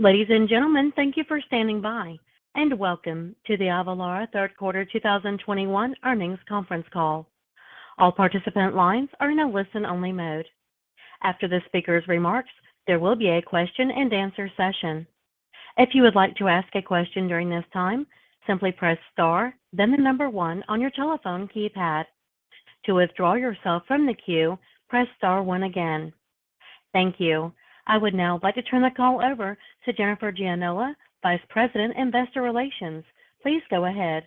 Ladies and gentlemen, thank you for standing by, and welcome to the Avalara Third Quarter 2021 Earnings Conference Call. All participant lines are in a listen-only mode. After the speaker's remarks, there will be a question-and-answer session. If you would like to ask a question during this time, simply press star then the number one on your telephone keypad. To withdraw yourself from the queue, press star one again. Thank you. I would now like to turn the call over to Jennifer Gianola, Vice President, Investor Relations. Please go ahead.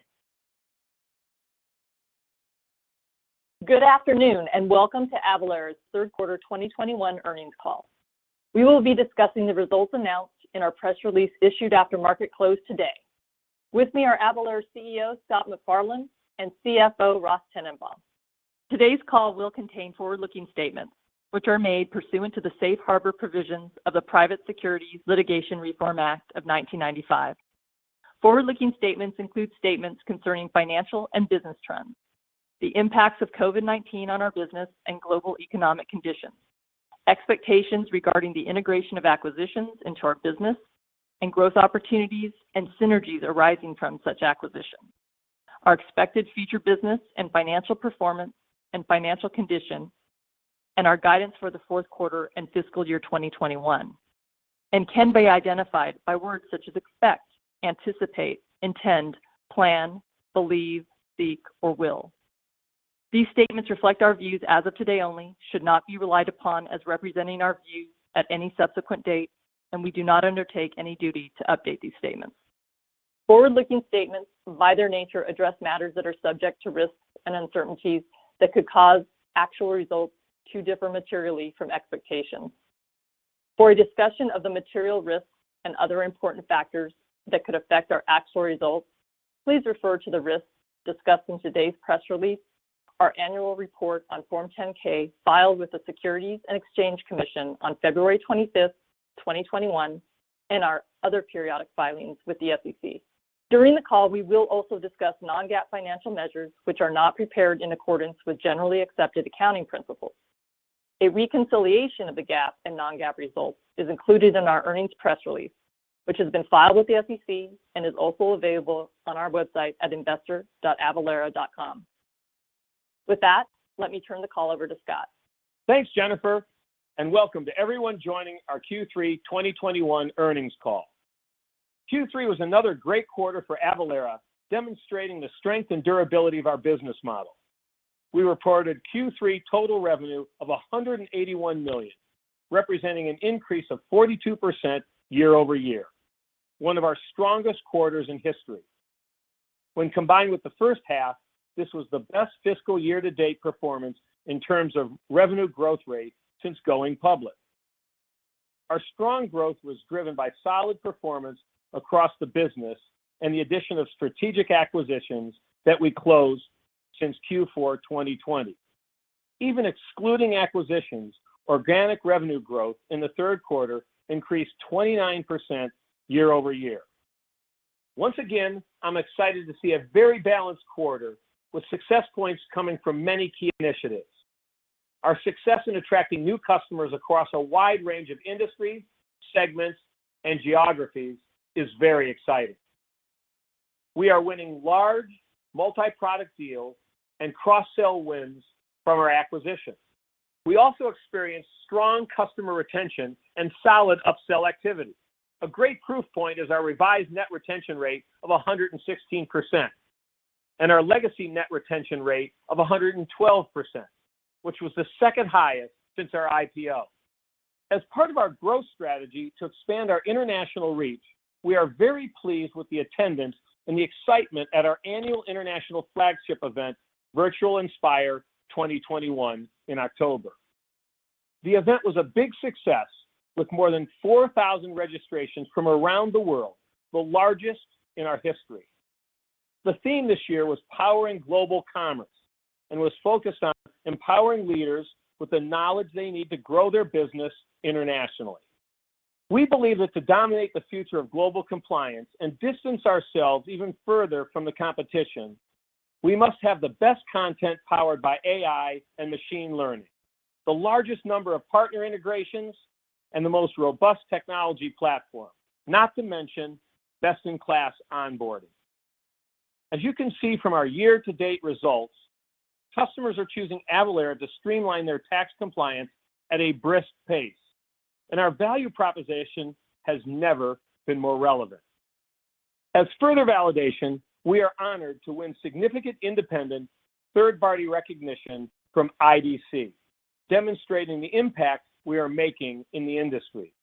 Good afternoon and welcome to Avalara's Third Quarter 2021 Earnings Call. We will be discussing the results announced in our press release issued after market close today. With me are Avalara's CEO, Scott McFarlane, and CFO, Ross Tennenbaum. Today's call will contain forward-looking statements, which are made pursuant to the Safe Harbor provisions of the Private Securities Litigation Reform Act of 1995. Forward-looking statements include statements concerning financial and business trends, the impacts of COVID-19 on our business and global economic conditions, expectations regarding the integration of acquisitions into our business, and growth opportunities and synergies arising from such acquisition. Our expected future business and financial performance and financial condition, and our guidance for the fourth quarter and fiscal year 2021, and can be identified by words such as expect, anticipate, intend, plan, believe, seek or will. These statements reflect our views as of today only, should not be relied upon as representing our views at any subsequent date, and we do not undertake any duty to update these statements. Forward-looking statements, by their nature, address matters that are subject to risks and uncertainties that could cause actual results to differ materially from expectations. For a discussion of the material risks and other important factors that could affect our actual results, please refer to the risks discussed in today's press release, our Annual Report on Form 10-K filed with the Securities and Exchange Commission on February 25, 2021, and our other periodic filings with the SEC. During the call, we will also discuss non-GAAP financial measures, which are not prepared in accordance with generally accepted accounting principles. A reconciliation of the GAAP and non-GAAP results is included in our earnings press release, which has been filed with the SEC and is also available on our website at investor.avalara.com. With that, let me turn the call over to Scott. Thanks, Jennifer, and welcome to everyone joining our Q3 2021 earnings call. Q3 was another great quarter for Avalara, demonstrating the strength and durability of our business model. We reported Q3 total revenue of $181 million, representing an increase of 42% year-over-year, one of our strongest quarters in history. When combined with the first half, this was the best fiscal year to date performance in terms of revenue growth rate since going public. Our strong growth was driven by solid performance across the business and the addition of strategic acquisitions that we closed since Q4 2020. Even excluding acquisitions, organic revenue growth in the third quarter increased 29% year-over-year. Once again, I'm excited to see a very balanced quarter with success points coming from many key initiatives. Our success in attracting new customers across a wide range of industries, segments, and geographies is very exciting. We are winning large multi-product deals and cross-sell wins from our acquisitions. We also experienced strong customer retention and solid upsell activity. A great proof point is our revised net retention rate of 116%, and our legacy net retention rate of 112%, which was the second highest since our IPO. As part of our growth strategy to expand our international reach, we are very pleased with the attendance and the excitement at our annual international flagship event, Inspire Virtual 2021 in October. The event was a big success with more than 4,000 registrations from around the world, the largest in our history. The theme this year was Powering Global Commerce and was focused on empowering leaders with the knowledge they need to grow their business internationally. We believe that to dominate the future of global compliance and distance ourselves even further from the competition, we must have the best content powered by AI and machine learning, the largest number of partner integrations, and the most robust technology platform, not to mention best-in-class onboarding. As you can see from our year-to-date results, customers are choosing Avalara to streamline their tax compliance at a brisk pace, and our value proposition has never been more relevant. As further validation, we are honored to win significant independent third-party recognition from IDC, demonstrating the impact we are making in the industry.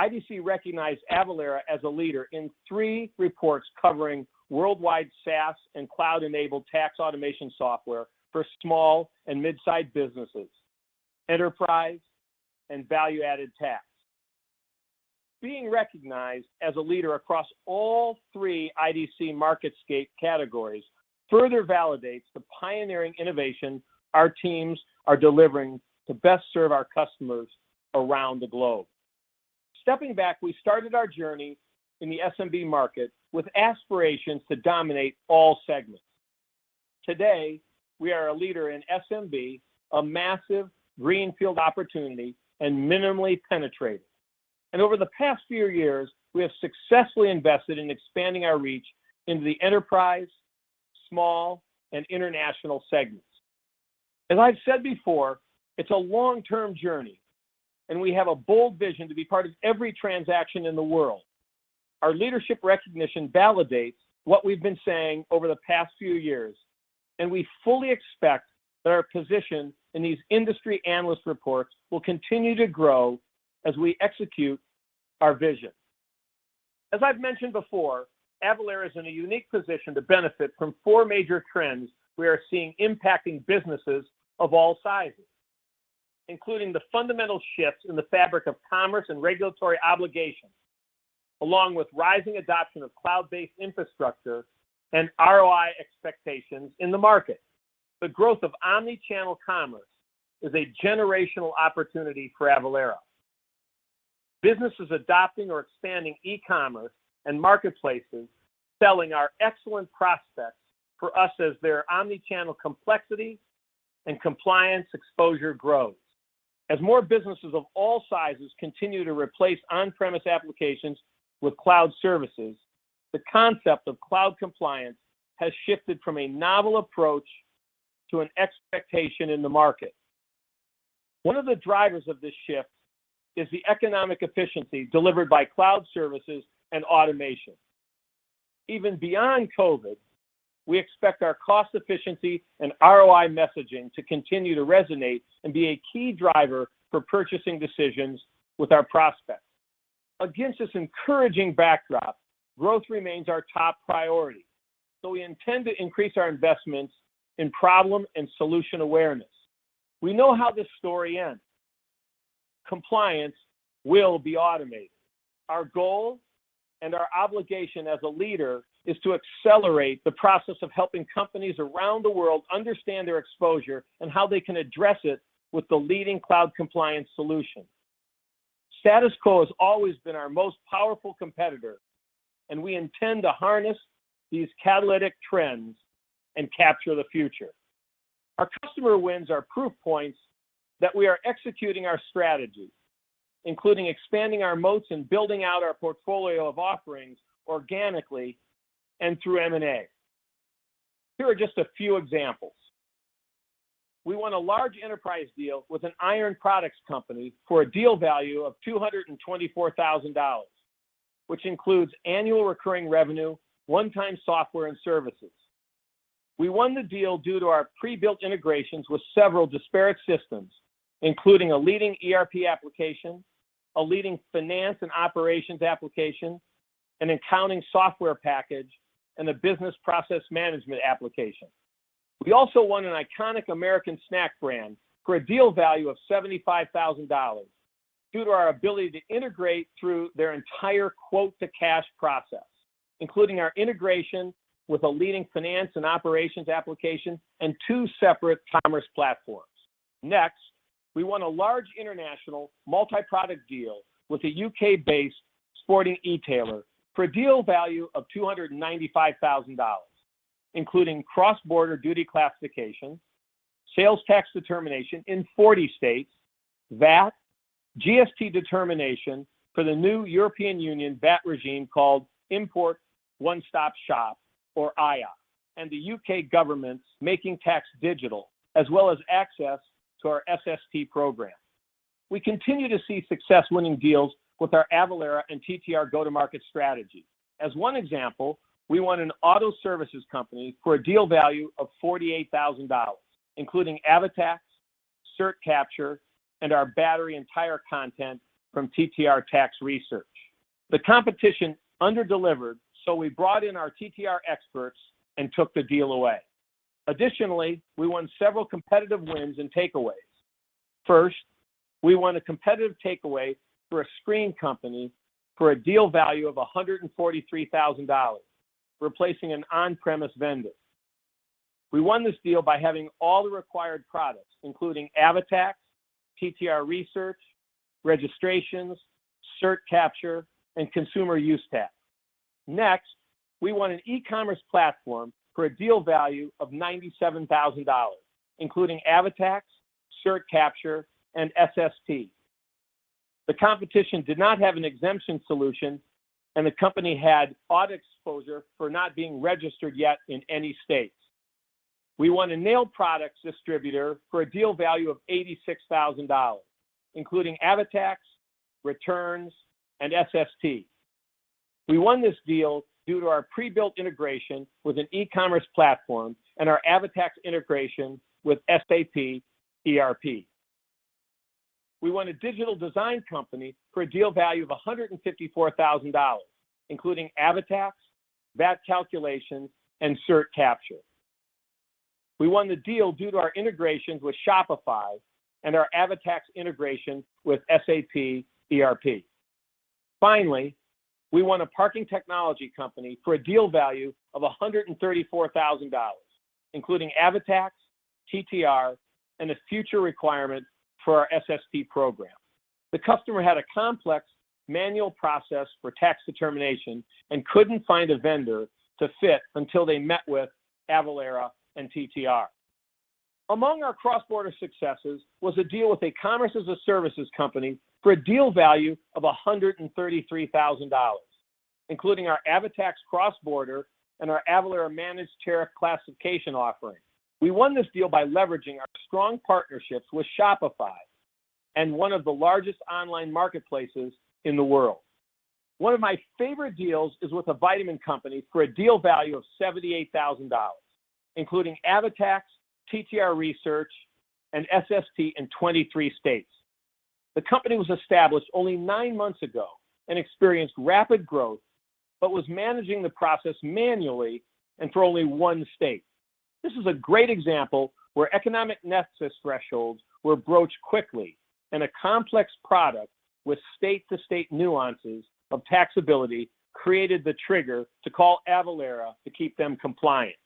IDC recognized Avalara as a leader in three reports covering worldwide SaaS and cloud-enabled tax automation software for small and mid-sized businesses, enterprise, and value-added tax. Being recognized as a leader across all three IDC MarketScape categories further validates the pioneering innovation our teams are delivering to best serve our customers around the globe. Stepping back, we started our journey in the SMB market with aspirations to dominate all segments. Today, we are a leader in SMB, a massive greenfield opportunity and minimally penetrated. Over the past few years, we have successfully invested in expanding our reach into the enterprise, small, and international segments. As I've said before, it's a long-term journey, and we have a bold vision to be part of every transaction in the world. Our leadership recognition validates what we've been saying over the past few years, and we fully expect that our position in these industry analyst reports will continue to grow as we execute our vision. As I've mentioned before, Avalara is in a unique position to benefit from four major trends we are seeing impacting businesses of all sizes, including the fundamental shifts in the fabric of commerce and regulatory obligations, along with rising adoption of cloud-based infrastructure and ROI expectations in the market. The growth of omni-channel commerce is a generational opportunity for Avalara. Businesses adopting or expanding e-commerce and marketplaces selling are excellent prospects for us as their omni-channel complexity and compliance exposure grows. As more businesses of all sizes continue to replace on-premise applications with cloud services, the concept of cloud compliance has shifted from a novel approach to an expectation in the market. One of the drivers of this shift is the economic efficiency delivered by cloud services and automation. Even beyond COVID, we expect our cost efficiency and ROI messaging to continue to resonate and be a key driver for purchasing decisions with our prospects. Against this encouraging backdrop, growth remains our top priority, so we intend to increase our investments in problem and solution awareness. We know how this story ends. Compliance will be automated. Our goal and our obligation as a leader is to accelerate the process of helping companies around the world understand their exposure and how they can address it with the leading cloud compliance solution. Status quo has always been our most powerful competitor, and we intend to harness these catalytic trends and capture the future. Our customer wins are proof points that we are executing our strategy, including expanding our moats and building out our portfolio of offerings organically and through M&A. Here are just a few examples. We won a large enterprise deal with an iron products company for a deal value of $224,000, which includes annual recurring revenue, one-time software and services. We won the deal due to our pre-built integrations with several disparate systems, including a leading ERP application, a leading finance and operations application, an accounting software package, and a business process management application. We also won an iconic American snack brand for a deal value of $75,000 due to our ability to integrate through their entire quote-to-cash process, including our integration with a leading finance and operations application and two separate commerce platforms. Next, we won a large international multi-product deal with a U.K.-based sporting e-tailer for a deal value of $295,000, including cross-border duty classification, sales tax determination in 40 states, VAT, GST determination for the new European Union VAT regime called Import One-Stop Shop, or IOSS, and the U.K. government's Making Tax Digital, as well as access to our SST program. We continue to see success winning deals with our Avalara and TTR go-to-market strategy. As one example, we won an auto services company for a deal value of $48,000, including AvaTax, CertCapture, and our battery and tire content from TTR Tax Research. The competition under-delivered, so we brought in our TTR experts and took the deal away. Additionally, we won several competitive wins and takeaways. First, we won a competitive takeaway for a screen company for a deal value of $143,000, replacing an on-premise vendor. We won this deal by having all the required products, including AvaTax, TTR Research, registrations, CertCapture, and consumer use tax. Next, we won an e-commerce platform for a deal value of $97,000, including AvaTax, CertCapture, and SST. The competition did not have an exemption solution, and the company had audit exposure for not being registered yet in any states. We won a nail products distributor for a deal value of $86,000, including AvaTax, returns, and SST. We won this deal due to our pre-built integration with an e-commerce platform and our AvaTax integration with SAP ERP. We won a digital design company for a deal value of $154,000, including AvaTax, VAT calculations, and CertCapture. We won the deal due to our integrations with Shopify and our AvaTax integration with SAP ERP. Finally, we won a parking technology company for a deal value of $134,000, including AvaTax, TTR, and a future requirement for our SST program. The customer had a complex manual process for tax determination and couldn't find a vendor to fit until they met with Avalara and TTR. Among our cross-border successes was a deal with a commerce-as-a-services company for a deal value of $133,000, including our AvaTax cross-border and our Avalara managed tariff classification offerings. We won this deal by leveraging our strong partnerships with Shopify and one of the largest online marketplaces in the world. One of my favorite deals is with a vitamin company for a deal value of $78,000 including AvaTax, TTR research, and SST in 23 states. The company was established only nine months ago and experienced rapid growth but was managing the process manually and for only one state. This is a great example where economic nexus thresholds were broached quickly and a complex product with state-to-state nuances of taxability created the trigger to call Avalara to keep them compliant.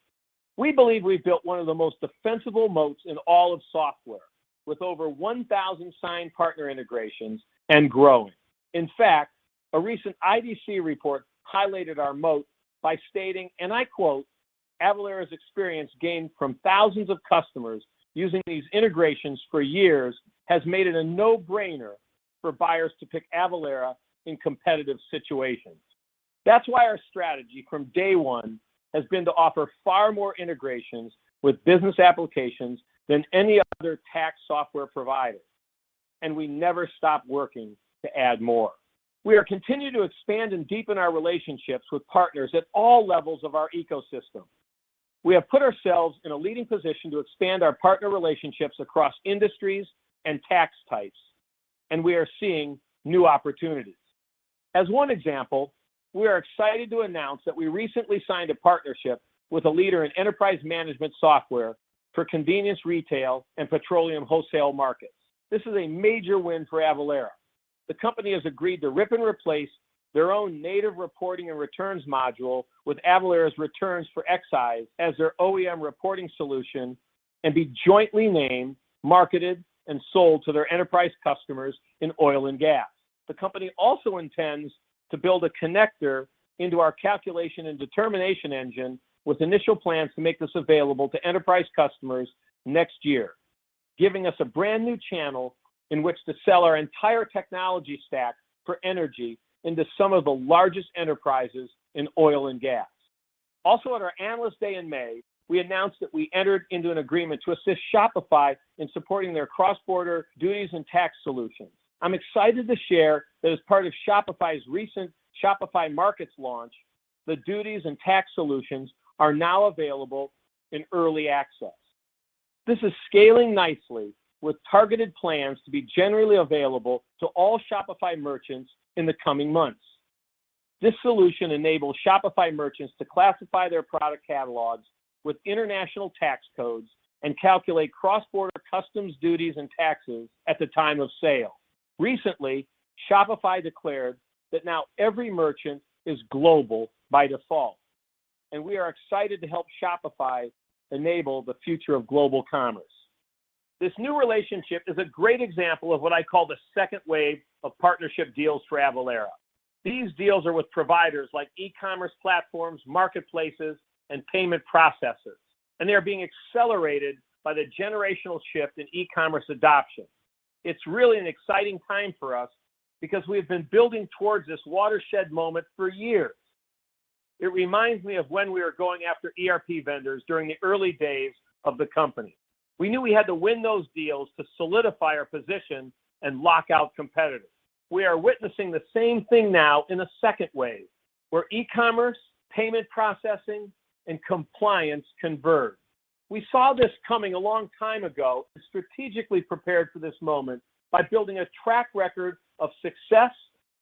We believe we've built one of the most defensible moats in all of software with over 1,000 signed partner integrations and growing. In fact, a recent IDC report highlighted our moat by stating, and I quote, "Avalara's experience gained from thousands of customers using these integrations for years has made it a no-brainer for buyers to pick Avalara in competitive situations." That's why our strategy from day one has been to offer far more integrations with business applications than any other tax software provider, and we never stop working to add more. We are continuing to expand and deepen our relationships with partners at all levels of our ecosystem. We have put ourselves in a leading position to expand our partner relationships across industries and tax types, and we are seeing new opportunities. As one example, we are excited to announce that we recently signed a partnership with a leader in enterprise management software for convenience retail and petroleum wholesale markets. This is a major win for Avalara. The company has agreed to rip and replace their own native reporting and returns module with Avalara's Returns for Excise as their OEM reporting solution and be jointly named, marketed, and sold to their enterprise customers in oil and gas. The company also intends to build a connector into our calculation and determination engine with initial plans to make this available to enterprise customers next year, giving us a brand-new channel in which to sell our entire technology stack for energy into some of the largest enterprises in oil and gas. Also at our Analyst Day in May, we announced that we entered into an agreement to assist Shopify in supporting their cross-border duties and tax solutions. I'm excited to share that as part of Shopify's recent Shopify Markets launch, the duties and tax solutions are now available in early access. This is scaling nicely with targeted plans to be generally available to all Shopify merchants in the coming months. This solution enables Shopify merchants to classify their product catalogs with international tax codes and calculate cross-border customs duties and taxes at the time of sale. Recently, Shopify declared that now every merchant is global by default, and we are excited to help Shopify enable the future of global commerce. This new relationship is a great example of what I call the second wave of partnership deals for Avalara. These deals are with providers like e-commerce platforms, marketplaces, and payment processors, and they are being accelerated by the generational shift in e-commerce adoption. It's really an exciting time for us because we have been building towards this watershed moment for years. It reminds me of when we were going after ERP vendors during the early days of the company. We knew we had to win those deals to solidify our position and lock out competitors. We are witnessing the same thing now in a second wave where e-commerce, payment processing, and compliance converge. We saw this coming a long time ago and strategically prepared for this moment by building a track record of success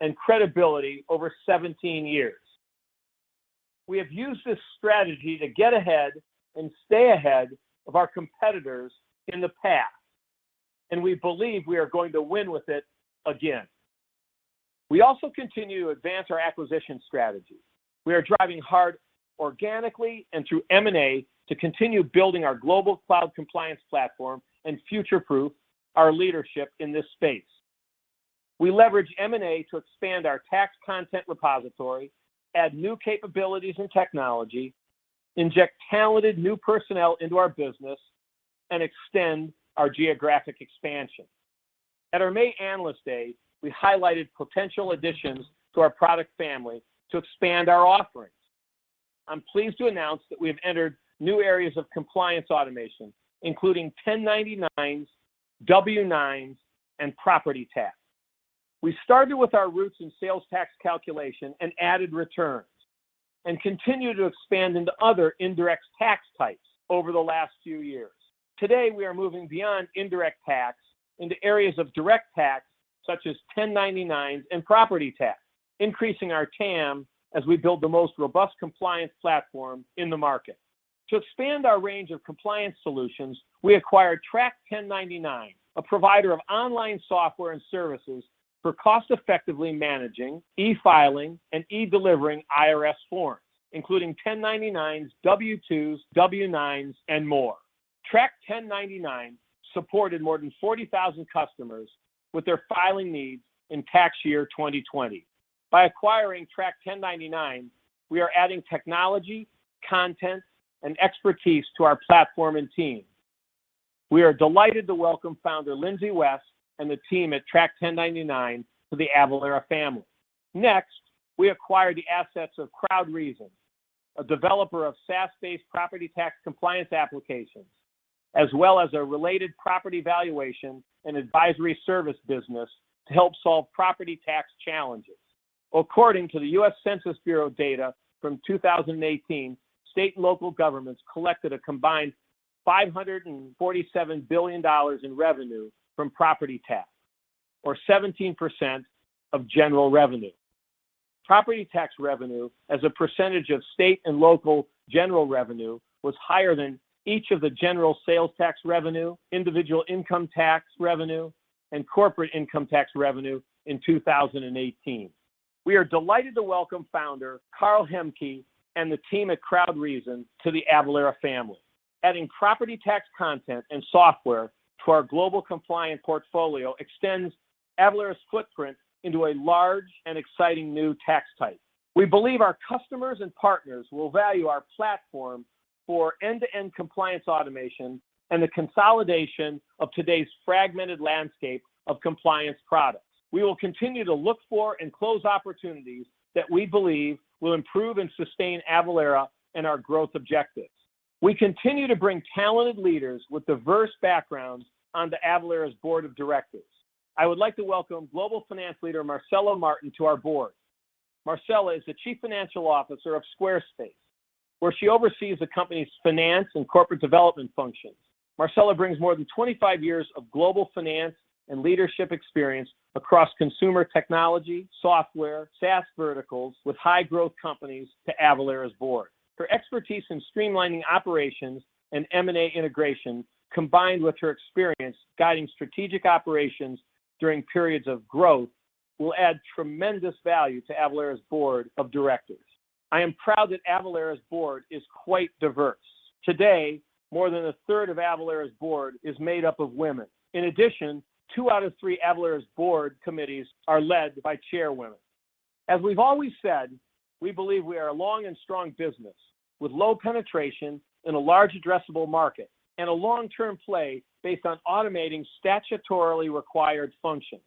and credibility over 17 years. We have used this strategy to get ahead and stay ahead of our competitors in the past, and we believe we are going to win with it again. We also continue to advance our acquisition strategy. We are driving hard organically and through M&A to continue building our global cloud compliance platform and future-proof our leadership in this space. We leverage M&A to expand our tax content repository, add new capabilities and technology, inject talented new personnel into our business, and extend our geographic expansion. At our May Analyst Day, we highlighted potential additions to our product family to expand our offerings. I'm pleased to announce that we have entered new areas of compliance automation, including 1099s, W-9s, and property tax. We started with our roots in sales tax calculation and added returns and continue to expand into other indirect tax types over the last few years. Today, we are moving beyond indirect tax into areas of direct tax, such as 1099s and property tax, increasing our TAM as we build the most robust compliance platform in the market. To expand our range of compliance solutions, we acquired Track 1099, a provider of online software and services for cost-effectively managing, e-filing, and e-delivering IRS forms, including 1099s, W-2s, W-9s, and more. Track 1099 supported more than 40,000 customers with their filing needs in tax year 2020. By acquiring Track 1099, we are adding technology, content, and expertise to our platform and team. We are delighted to welcome founder Lindsey West and the team at Track 1099 to the Avalara family. Next, we acquired the assets of CrowdReason, a developer of SaaS-based property tax compliance applications, as well as a related property valuation and advisory service business to help solve property tax challenges. According to the U.S. Census Bureau data from 2018, state and local governments collected a combined $547 billion in revenue from property tax, or 17% of general revenue. Property tax revenue as a percentage of state and local general revenue was higher than each of the general sales tax revenue, individual income tax revenue, and corporate income tax revenue in 2018. We are delighted to welcome founder Carl Hoemke and the team at CrowdReason to the Avalara family. Adding property tax content and software to our global compliance portfolio extends Avalara's footprint into a large and exciting new tax type. We believe our customers and partners will value our platform for end-to-end compliance automation and the consolidation of today's fragmented landscape of compliance products. We will continue to look for and close opportunities that we believe will improve and sustain Avalara and our growth objectives. We continue to bring talented leaders with diverse backgrounds onto Avalara's board of directors. I would like to welcome global finance leader Marcella Martin to our board. Marcella is the Chief Financial Officer of Squarespace, where she oversees the company's finance and corporate development functions. Marcella brings more than 25 years of global finance and leadership experience across consumer technology, software, SaaS verticals with high-growth companies to Avalara's board. Her expertise in streamlining operations and M&A integration, combined with her experience guiding strategic operations during periods of growth, will add tremendous value to Avalara's board of directors. I am proud that Avalara's board is quite diverse. Today, more than a third of Avalara's board is made up of women. In addition, two out of three Avalara's board committees are led by chairwomen. As we've always said, we believe we are a long and strong business with low penetration in a large addressable market and a long-term play based on automating statutorily required functions.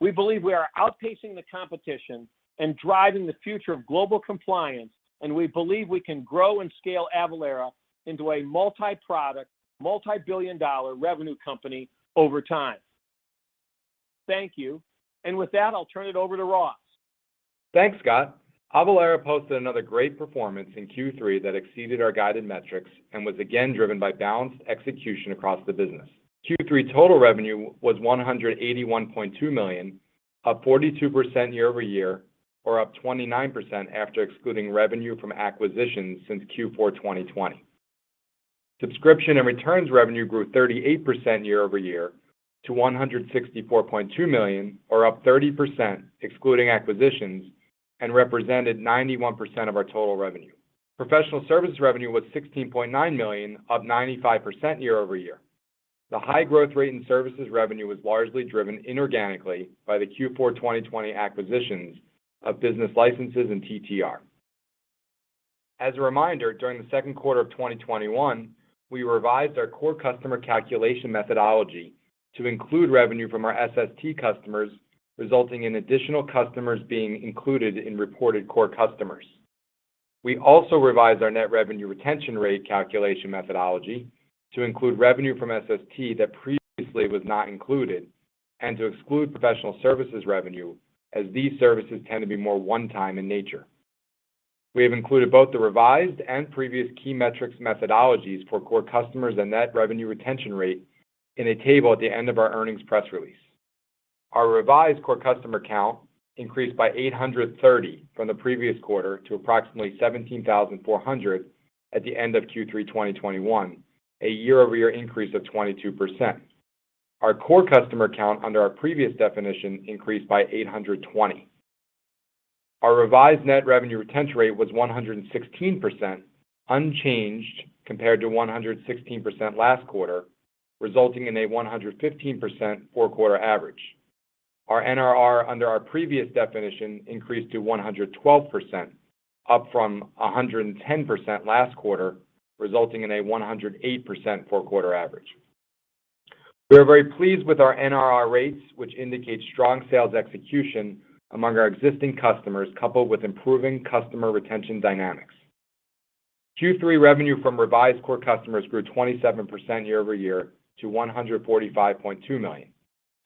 We believe we are outpacing the competition and driving the future of global compliance, and we believe we can grow and scale Avalara into a multi-product, multi-billion dollar revenue company over time. Thank you. With that, I'll turn it over to Ross. Thanks, Scott. Avalara posted another great performance in Q3 that exceeded our guided metrics and was again driven by balanced execution across the business. Q3 total revenue was $181.2 million, up 42% year-over-year, or up 29% after excluding revenue from acquisitions since Q4 2020. Subscription and returns revenue grew 38% year-over-year to $164.2 million, or up 30% excluding acquisitions, and represented 91% of our total revenue. Professional services revenue was $16.9 million, up 95% year-over-year. The high growth rate in services revenue was largely driven inorganically by the Q4 2020 acquisitions of business licenses and TTR. As a reminder, during the second quarter of 2021, we revised our core customer calculation methodology to include revenue from our SST customers, resulting in additional customers being included in reported core customers. We also revised our net revenue retention rate calculation methodology to include revenue from SST that previously was not included and to exclude professional services revenue as these services tend to be more one-time in nature. We have included both the revised and previous key metrics methodologies for core customers and net revenue retention rate in a table at the end of our earnings press release. Our revised core customer count increased by 830 from the previous quarter to approximately 17,400 at the end of Q3 2021, a year-over-year increase of 22%. Our core customer count under our previous definition increased by 820. Our revised net revenue retention rate was 116%, unchanged compared to 116% last quarter, resulting in a 115% four-quarter average. Our NRR under our previous definition increased to 112%, up from 110% last quarter, resulting in a 108% four-quarter average. We are very pleased with our NRR rates, which indicates strong sales execution among our existing customers, coupled with improving customer retention dynamics. Q3 revenue from revised core customers grew 27% year-over-year to $145.2 million.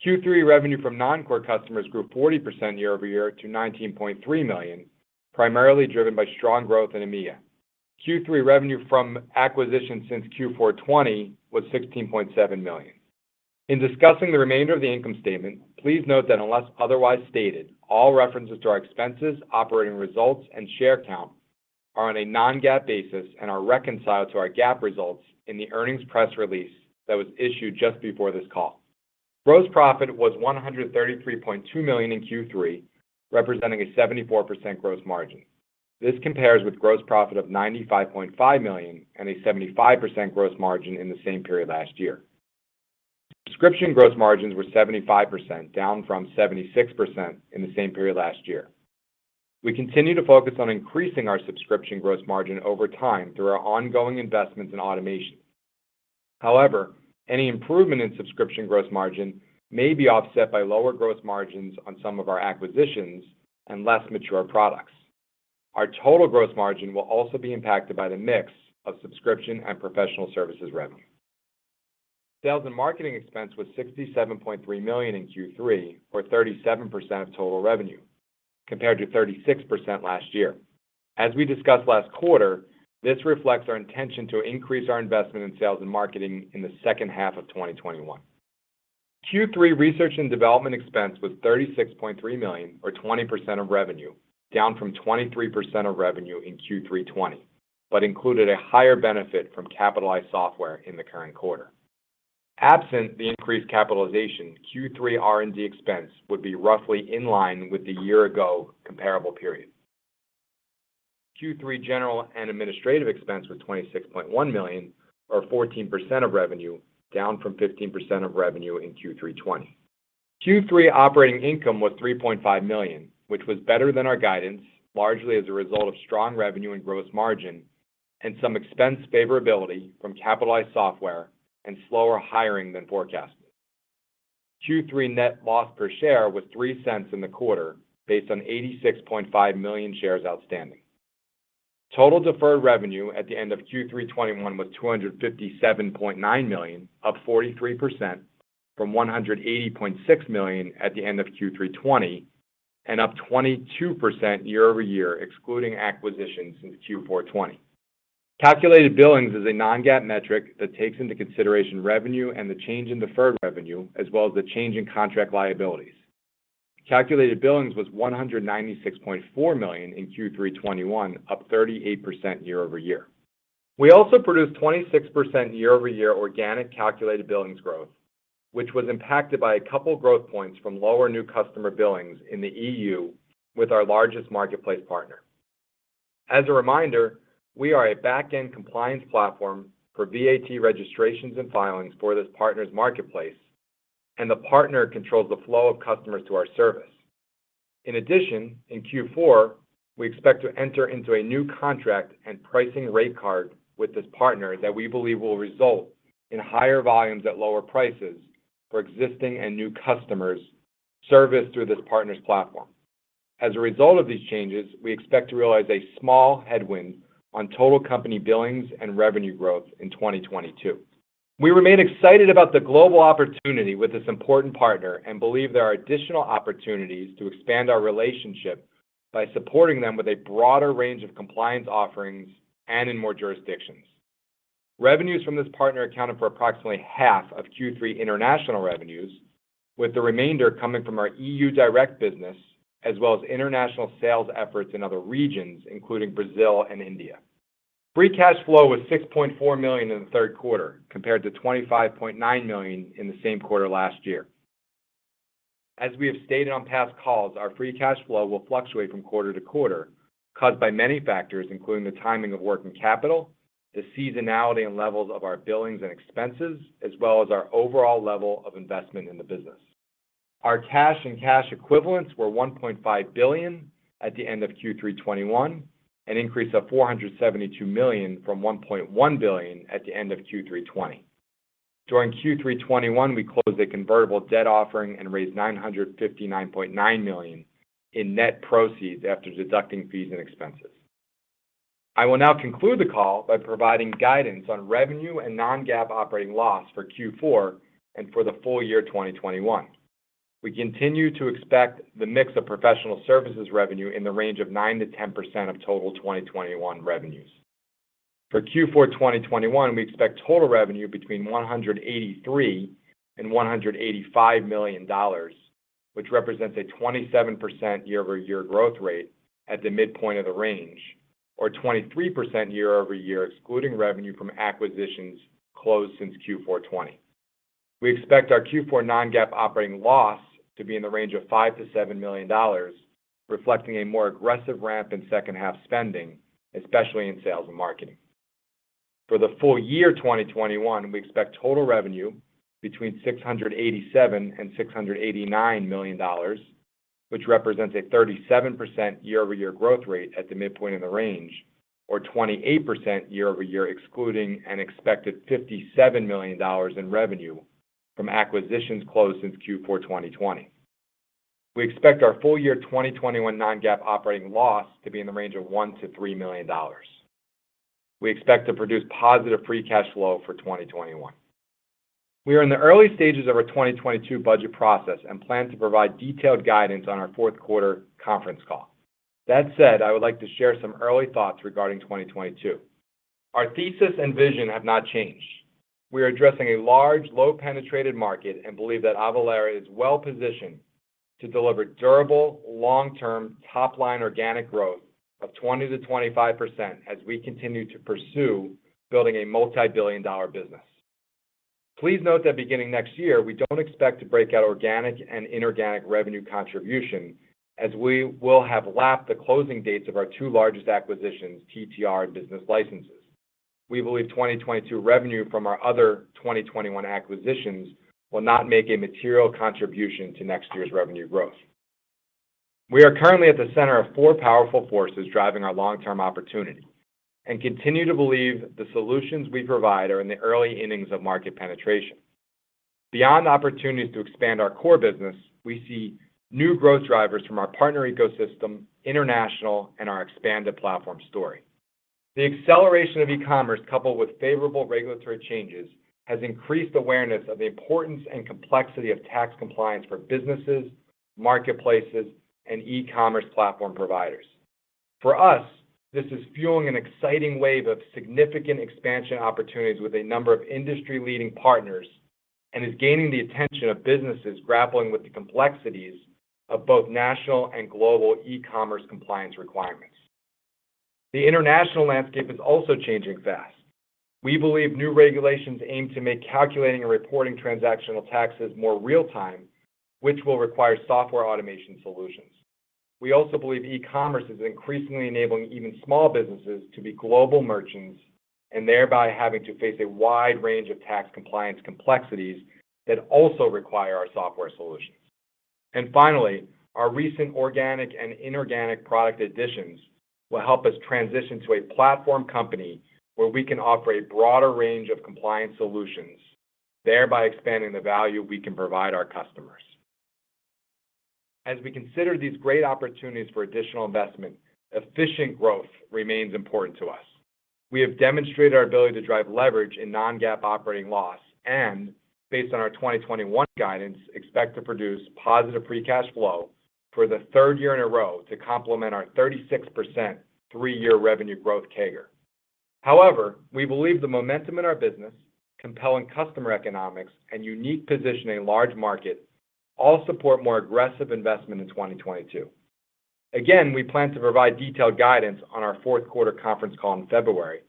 Q3 revenue from non-core customers grew 40% year-over-year to $19.3 million, primarily driven by strong growth in EMEA. Q3 revenue from acquisitions since Q4 2020 was $16.7 million. In discussing the remainder of the income statement, please note that unless otherwise stated, all references to our expenses, operating results, and share count are on a non-GAAP basis and are reconciled to our GAAP results in the earnings press release that was issued just before this call. Gross profit was $133.2 million in Q3, representing a 74% gross margin. This compares with gross profit of $95.5 million and a 75% gross margin in the same period last year. Subscription gross margins were 75%, down from 76% in the same period last year. We continue to focus on increasing our subscription gross margin over time through our ongoing investments in automation. However, any improvement in subscription gross margin may be offset by lower gross margins on some of our acquisitions and less mature products. Our total gross margin will also be impacted by the mix of subscription and professional services revenue. Sales and marketing expense was $67.3 million in Q3, or 37% of total revenue, compared to 36% last year. As we discussed last quarter, this reflects our intention to increase our investment in sales and marketing in the second half of 2021. Q3 research and development expense was $36.3 million, or 20% of revenue, down from 23% of revenue in Q3 2020, but included a higher benefit from capitalized software in the current quarter. Absent the increased capitalization, Q3 R&D expense would be roughly in line with the year-ago comparable period. Q3 general and administrative expense was $26.1 million, or 14% of revenue, down from 15% of revenue in Q3 2020. Q3 operating income was $3.5 million, which was better than our guidance, largely as a result of strong revenue and gross margin and some expense favorability from capitalized software and slower hiring than forecasted. Q3 net loss per share was $0.03 in the quarter, based on 86.5 million shares outstanding. Total deferred revenue at the end of Q3 2021 was $257.9 million, up 43% from $180.6 million at the end of Q3 2020, and up 22% year-over-year, excluding acquisitions in Q4 2020. Calculated billings is a non-GAAP metric that takes into consideration revenue and the change in deferred revenue, as well as the change in contract liabilities. Calculated billings was $196.4 million in Q3 2021, up 38% year-over-year. We also produced 26% year-over-year organic calculated billings growth, which was impacted by a couple growth points from lower new customer billings in the EU with our largest marketplace partner. As a reminder, we are a back-end compliance platform for VAT registrations and filings for this partner's marketplace, and the partner controls the flow of customers to our service. In addition, in Q4, we expect to enter into a new contract and pricing rate card with this partner that we believe will result in higher volumes at lower prices for existing and new customers serviced through this partner's platform. As a result of these changes, we expect to realize a small headwind on total company billings and revenue growth in 2022. We remain excited about the global opportunity with this important partner and believe there are additional opportunities to expand our relationship by supporting them with a broader range of compliance offerings and in more jurisdictions. Revenues from this partner accounted for approximately half of Q3 international revenues, with the remainder coming from our EU direct business as well as international sales efforts in other regions, including Brazil and India. Free cash flow was $6.4 million in the third quarter, compared to $25.9 million in the same quarter last year. As we have stated on past calls, our free cash flow will fluctuate from quarter to quarter, caused by many factors, including the timing of working capital, the seasonality and levels of our billings and expenses, as well as our overall level of investment in the business. Our cash and cash equivalents were $1.5 billion at the end of Q3 2021, an increase of $472 million from $1.1 billion at the end of Q3 2020. During Q3 2021, we closed a convertible debt offering and raised $959.9 million in net proceeds after deducting fees and expenses. I will now conclude the call by providing guidance on revenue and non-GAAP operating loss for Q4 and for the full year 2021. We continue to expect the mix of professional services revenue in the range of 9%-10% of total 2021 revenues. For Q4 2021, we expect total revenue between $183 million and $185 million, which represents a 27% year-over-year growth rate at the midpoint of the range, or 23% year-over-year, excluding revenue from acquisitions closed since Q4 2020. We expect our Q4 non-GAAP operating loss to be in the range of $5 million to $7 million, reflecting a more aggressive ramp in second-half spending, especially in sales and marketing. For the full year 2021, we expect total revenue between $687 million and $689 million, which represents a 37% year-over-year growth rate at the midpoint of the range, or 28% year-over-year, excluding an expected $57 million in revenue from acquisitions closed since Q4 2020. We expect our full-year 2021 non-GAAP operating loss to be in the range of $1 million-$3 million. We expect to produce positive free cash flow for 2021. We are in the early stages of our 2022 budget process and plan to provide detailed guidance on our fourth quarter conference call. That said, I would like to share some early thoughts regarding 2022. Our thesis and vision have not changed. We are addressing a large, low-penetrated market and believe that Avalara is well-positioned to deliver durable, long-term, top-line organic growth of 20%-25% as we continue to pursue building a multi-billion dollar business. Please note that beginning next year, we don't expect to break out organic and inorganic revenue contribution as we will have lapped the closing dates of our two largest acquisitions, TTR and business licenses. We believe 2022 revenue from our other 2021 acquisitions will not make a material contribution to next year's revenue growth. We are currently at the center of four powerful forces driving our long-term opportunity and continue to believe the solutions we provide are in the early innings of market penetration. Beyond opportunities to expand our core business, we see new growth drivers from our partner ecosystem, international, and our expanded platform story. The acceleration of e-commerce, coupled with favorable regulatory changes, has increased awareness of the importance and complexity of tax compliance for businesses, marketplaces, and e-commerce platform providers. For us, this is fueling an exciting wave of significant expansion opportunities with a number of industry-leading partners and is gaining the attention of businesses grappling with the complexities of both national and global e-commerce compliance requirements. The international landscape is also changing fast. We believe new regulations aim to make calculating and reporting transactional taxes more real-time, which will require software automation solutions. We also believe e-commerce is increasingly enabling even small businesses to be global merchants and thereby having to face a wide range of tax compliance complexities that also require our software solutions. Finally, our recent organic and inorganic product additions will help us transition to a platform company where we can offer a broader range of compliance solutions, thereby expanding the value we can provide our customers. As we consider these great opportunities for additional investment, efficient growth remains important to us. We have demonstrated our ability to drive leverage in non-GAAP operating loss, and based on our 2021 guidance, expect to produce positive free cash flow for the third year in a row to complement our 36% three-year revenue growth CAGR. However, we believe the momentum in our business, compelling customer economics, and unique position in a large market all support more aggressive investment in 2022. Again, we plan to provide detailed guidance on our fourth quarter conference call in February,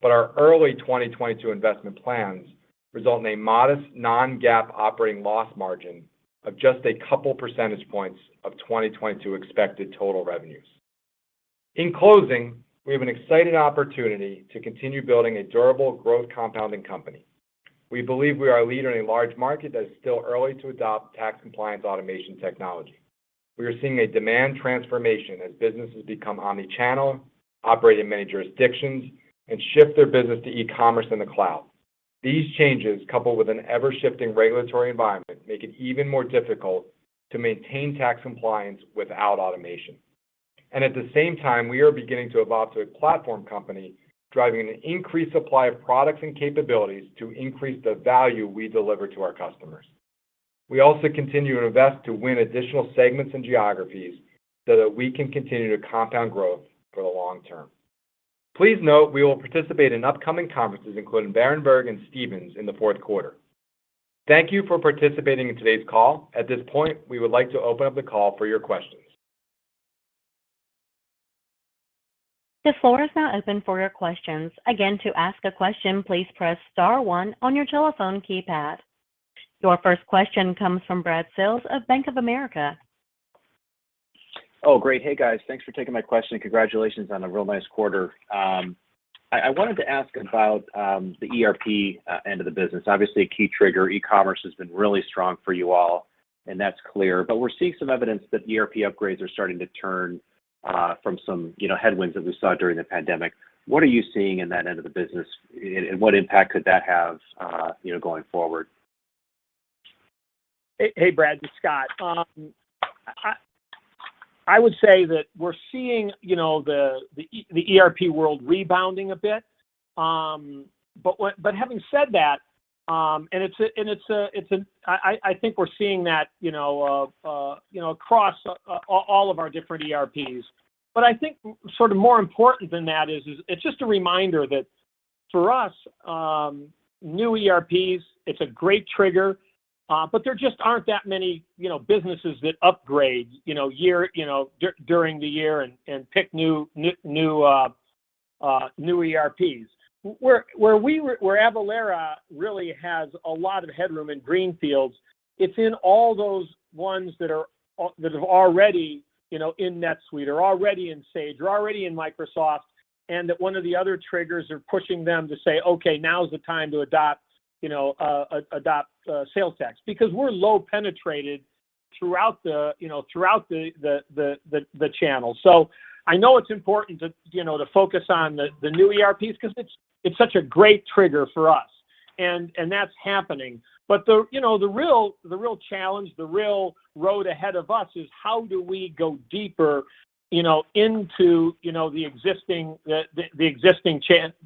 but our early 2022 investment plans result in a modest non-GAAP operating loss margin of just a couple percentage points of 2022 expected total revenues. In closing, we have an exciting opportunity to continue building a durable growth compounding company. We believe we are a leader in a large market that is still early to adopt tax compliance automation technology. We are seeing a demand transformation as businesses become omnichannel, operate in many jurisdictions, and shift their business to e-commerce in the cloud. These changes, coupled with an ever-shifting regulatory environment, make it even more difficult to maintain tax compliance without automation. At the same time, we are beginning to evolve to a platform company driving an increased supply of products and capabilities to increase the value we deliver to our customers. We also continue to invest to win additional segments and geographies so that we can continue to compound growth for the long term. Please note we will participate in upcoming conferences, including Berenberg and Stephens in the fourth quarter. Thank you for participating in today's call. At this point, we would like to open up the call for your questions. The floor is now open for your questions. Again, to ask a question, please press star one on your telephone keypad. Your first question comes from Brad Sills of Bank of America. Oh, great. Hey, guys. Thanks for taking my question. Congratulations on a real nice quarter. I wanted to ask about the ERP end of the business. Obviously, a key trigger. E-commerce has been really strong for you all, and that's clear. We're seeing some evidence that ERP upgrades are starting to turn from some headwinds that we saw during the pandemic. What are you seeing in that end of the business and what impact could that have going forward? Hey, Brad, it's Scott. I would say that we're seeing, you know, the ERP world rebounding a bit. Having said that, I think we're seeing that, you know, across all of our different ERPs. I think sort of more important than that is it's just a reminder that for us, new ERPs, it's a great trigger, but there just aren't that many, you know, businesses that upgrade, you know, during the year and pick new ERPs. Avalara really has a lot of headroom in greenfields. It's in all those ones that are already, you know, in NetSuite, or already in Sage, or already in Microsoft, and that one of the other triggers are pushing them to say, "Okay, now is the time to adopt, you know, adopt sales tax." Because we're low penetrated throughout, you know, the channel. I know it's important to, you know, focus on the new ERPs 'cause it's such a great trigger for us, and that's happening. The real challenge, the real road ahead of us is how do we go deeper, you know, into the existing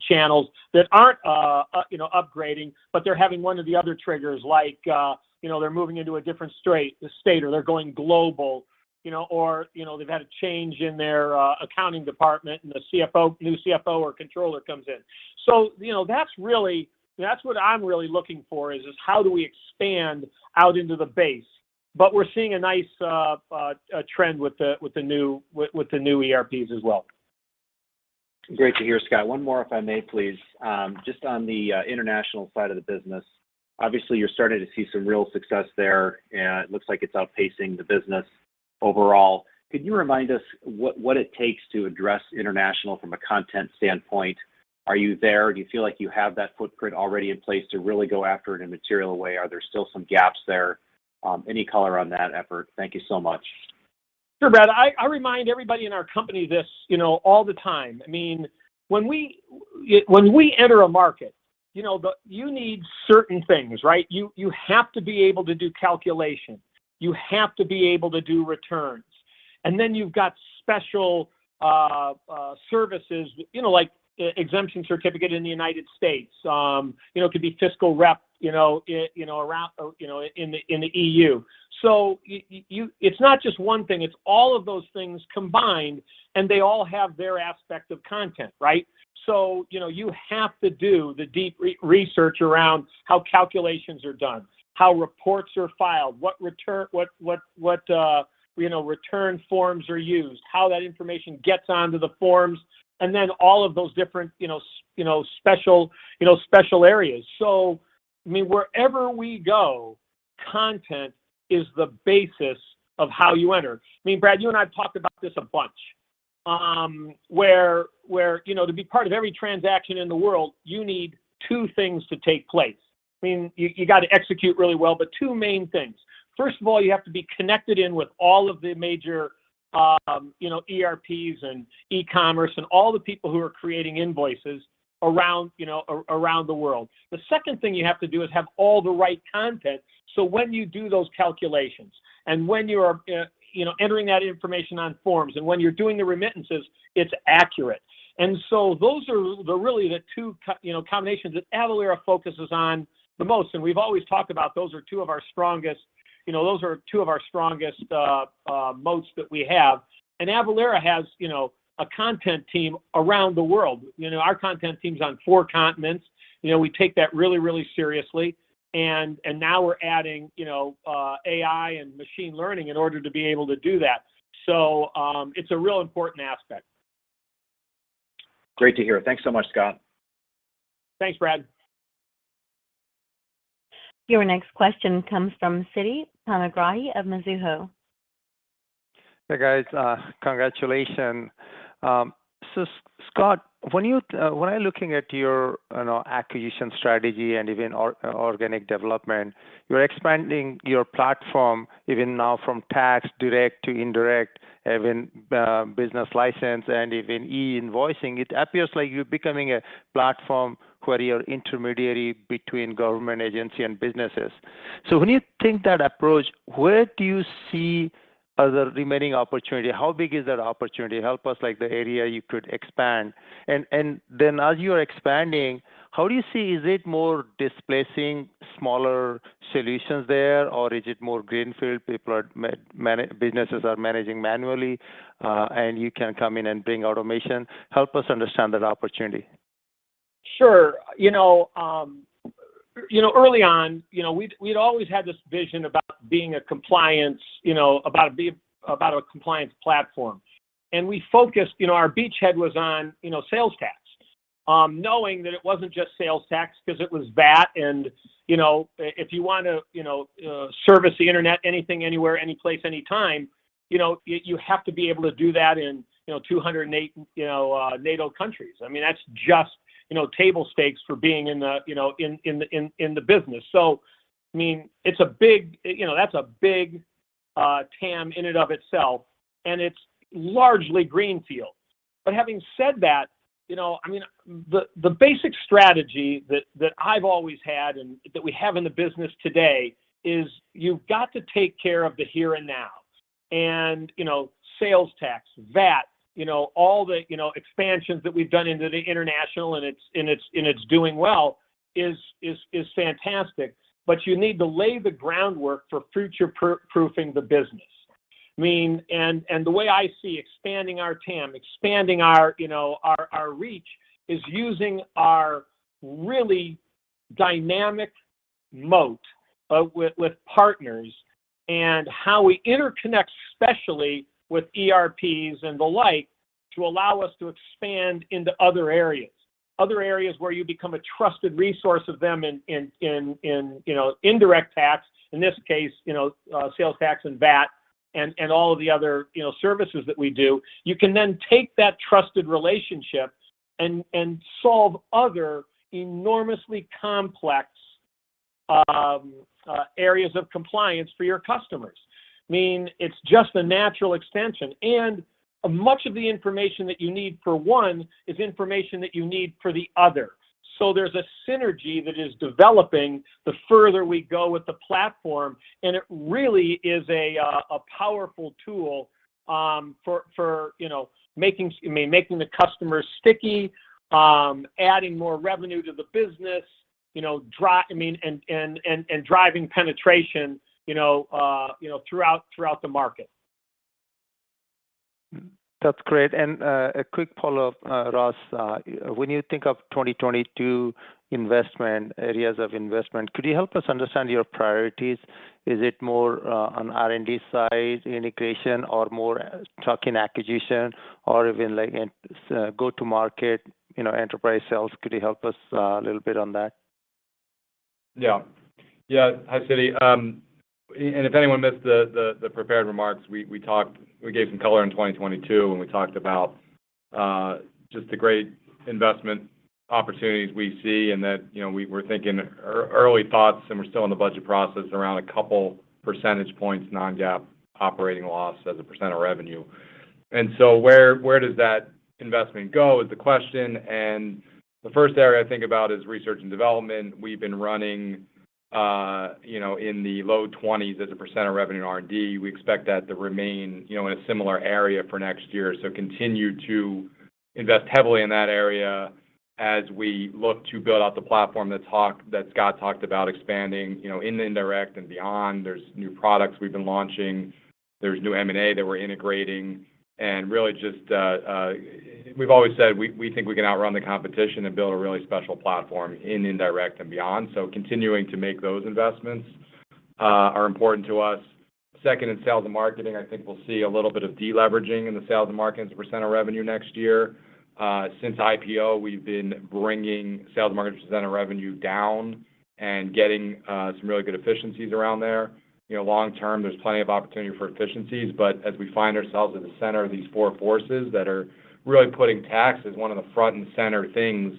channels that aren't upgrading, but they're having one or the other triggers. Like, you know, they're moving into a different state, or they're going global. You know, or, you know, they've had a change in their accounting department and the CFO, new CFO or controller comes in. So, you know, that's really what I'm really looking for is how do we expand out into the base. We're seeing a nice trend with the new ERPs as well. Great to hear, Scott. One more if I may please. Just on the international side of the business. Obviously, you're starting to see some real success there, and it looks like it's outpacing the business overall. Could you remind us what it takes to address international from a content standpoint? Are you there? Do you feel like you have that footprint already in place to really go after it in a material way? Are there still some gaps there? Any color on that effort? Thank you so much. Sure, Brad. I remind everybody in our company this, you know, all the time. I mean, when we enter a market, you know, you need certain things, right? You have to be able to do calculation. You have to be able to do returns. You've got special services, you know, like exemption certificate in the United States. You know, it could be fiscal rep, you know, around, you know, in the EU. It's not just one thing, it's all of those things combined, and they all have their aspect of content, right? You know, you have to do the deep research around how calculations are done, how reports are filed, what return... What return forms are used, how that information gets onto the forms, and then all of those different, you know, special areas. I mean, wherever we go, content is the basis of how you enter. I mean, Brad, you and I have talked about this a bunch. Where, you know, to be part of every transaction in the world, you need two things to take place. I mean, you gotta execute really well, but two main things. First of all, you have to be connected in with all of the major, you know, ERPs and e-commerce, and all the people who are creating invoices around, you know, around the world. The second thing you have to do is have all the right content, so when you do those calculations and when you're entering that information on forms and when you're doing the remittances, it's accurate. Those are really the two combinations that Avalara focuses on the most. We've always talked about those are two of our strongest moats that we have. Avalara has a content team around the world. Our content team's on four continents. We take that really seriously. Now we're adding AI and machine learning in order to be able to do that. It's a real important aspect. Great to hear. Thanks so much, Scott. Thanks, Brad. Your next question comes from Siti Panigrahi of Mizuho. Hey, guys. Congratulations. Scott, when I'm looking at your, you know, acquisition strategy and even organic development, you're expanding your platform even now from tax, direct to indirect, even business license and even e-invoicing. It appears like you're becoming a platform where you're intermediary between government agency and businesses. When you take that approach, where do you see are the remaining opportunity? How big is that opportunity? Help us, like the area you could expand. Then as you're expanding, how do you see is it more displacing smaller solutions there, or is it more greenfield, businesses are managing manually, and you can come in and bring automation? Help us understand that opportunity. Sure. You know, early on, you know, we'd always had this vision about being a compliance, you know, about a compliance platform. We focused. You know, our beachhead was on, you know, sales tax. Knowing that it wasn't just sales tax 'cause it was that and, you know, if you wanna, you know, service the internet, anything, anywhere, any place, any time, you know, you have to be able to do that in, you know, 208, you know, nations countries. I mean, that's just, you know, table stakes for being in the, you know, in the business. I mean, it's a big TAM in and of itself, and it's largely greenfield. Having said that, you know, I mean, the basic strategy that I've always had and that we have in the business today is you've got to take care of the here and now. You know, sales tax, VAT, you know, all the expansions that we've done into the international, and it's doing well is fantastic, but you need to lay the groundwork for future-proofing the business. I mean, the way I see expanding our TAM, you know, our reach is using our really dynamic moat with partners and how we interconnect, especially with ERPs and the like, to allow us to expand into other areas. Other areas where you become a trusted resource of them in you know indirect tax. In this case, you know, sales tax and VAT and all of the other, you know, services that we do. You can then take that trusted relationship and solve other enormously complex areas of compliance for your customers. I mean, it's just a natural extension. Much of the information that you need for one is information that you need for the other. There's a synergy that is developing the further we go with the platform, and it really is a powerful tool for you know, making, I mean, making the customer sticky, adding more revenue to the business, you know, and driving penetration, you know, throughout the market. That's great. A quick follow-up, Ross. When you think of 2022 investment areas of investment, could you help us understand your priorities? Is it more on R&D side integration or more toward acquisition or even like go to market, you know, enterprise sales? Could you help us a little bit on that? Yeah. Yeah. Hi, Siti. If anyone missed the prepared remarks, we gave some color in 2022 when we talked about just the great investment opportunities we see and that, you know, we're thinking early thoughts, and we're still in the budget process around a couple percentage points, non-GAAP, operating loss as a % of revenue. Where does that investment go is the question. The first area I think about is research and development. We've been running, you know, in the low 20s as a % of revenue in R&D. We expect that to remain, you know, in a similar area for next year. Continue to invest heavily in that area as we look to build out the platform that Scott talked about expanding, you know, in indirect and beyond. There's new products we've been launching. There's new M&A that we're integrating. Really just, we've always said we think we can outrun the competition and build a really special platform in indirect and beyond. Continuing to make those investments are important to us. Second, in sales and marketing, I think we'll see a little bit of deleveraging in the sales and marketing as a % of revenue next year. Since IPO, we've been bringing sales and marketing as a % of revenue down and getting some really good efficiencies around there. You know, long term, there's plenty of opportunity for efficiencies, but as we find ourselves at the center of these four forces that are really putting tax as one of the front and center things,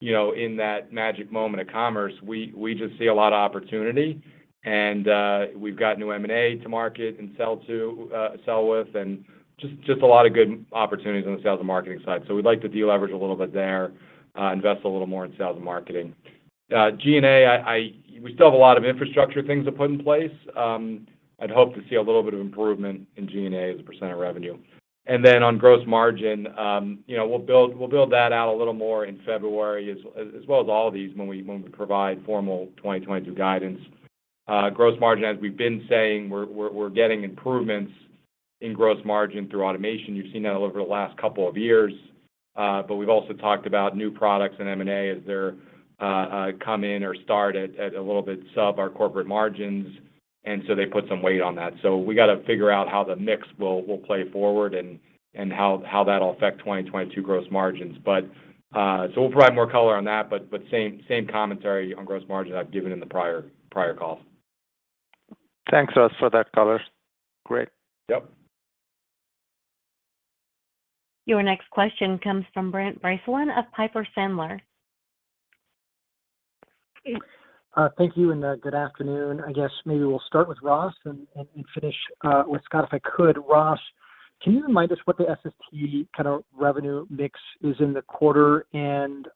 you know, in that magic moment of commerce, we just see a lot of opportunity. We've got new M&A to market and sell to, sell with and just a lot of good opportunities on the sales and marketing side. We'd like to deleverage a little bit there, invest a little more in sales and marketing. G&A, we still have a lot of infrastructure things to put in place. I'd hope to see a little bit of improvement in G&A as a % of revenue. Then on gross margin, you know, we'll build that out a little more in February as well as all of these when we provide formal 2022 guidance. Gross margin, as we've been saying, we're getting improvements in gross margin through automation. You've seen that over the last couple of years. We've also talked about new products in M&A as they come in or start at a little bit sub our corporate margins, and so they put some weight on that. We got to figure out how the mix will play forward and how that'll affect 2022 gross margins. We'll provide more color on that, but same commentary on gross margin I've given in the prior calls. Thanks, Ross, for that color. Great. Yep. Your next question comes from Brent Bracelin of Piper Sandler. Thank you, and good afternoon. I guess maybe we'll start with Ross and finish with Scott, if I could. Ross, can you remind us what the SST kind of revenue mix is in the quarter?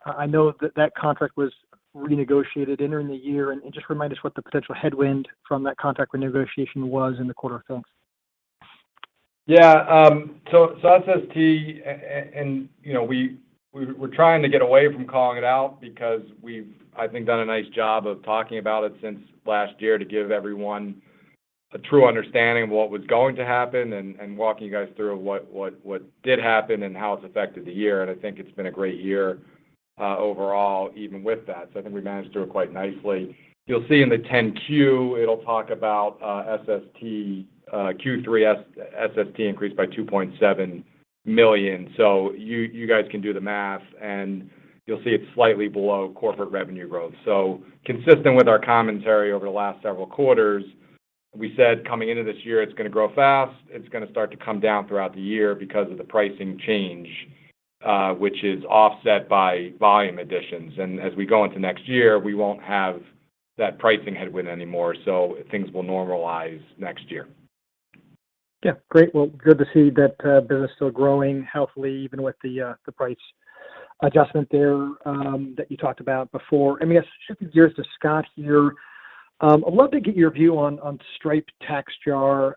I know that contract was renegotiated entering the year. Just remind us what the potential headwind from that contract renegotiation was in the quarter. Thanks. Yeah, so SST, and you know, we're trying to get away from calling it out because we've done a nice job of talking about it since last year to give everyone a true understanding of what was going to happen and walking you guys through what did happen and how it's affected the year. I think it's been a great year overall even with that. I think we managed through it quite nicely. You'll see in the 10-Q, it'll talk about SST. Q3 SST increased by $2.7 million. You guys can do the math, and you'll see it's slightly below corporate revenue growth. Consistent with our commentary over the last several quarters, we said coming into this year, it's gonna grow fast. It's gonna start to come down throughout the year because of the pricing change, which is offset by volume additions. As we go into next year, we won't have that pricing headwind anymore, so things will normalize next year. Yeah. Great. Well, good to see that business still growing healthily even with the price adjustment there that you talked about before. Let me ask, switching gears to Scott here. I'd love to get your view on Stripe TaxJar.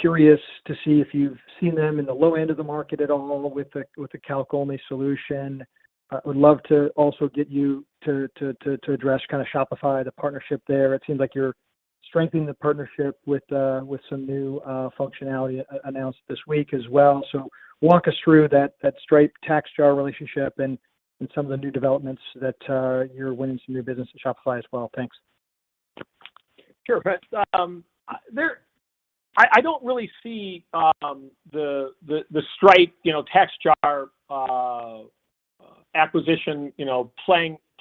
Curious to see if you've seen them in the low end of the market at all with the calc-only solution. I would love to also get you to address kind of Shopify, the partnership there. It seems like you're strengthening the partnership with some new functionality announced this week as well. Walk us through that Stripe TaxJar relationship and some of the new developments that you're winning some new business in Shopify as well. Thanks. Sure. I don't really see the Stripe, you know, TaxJar acquisition, you know,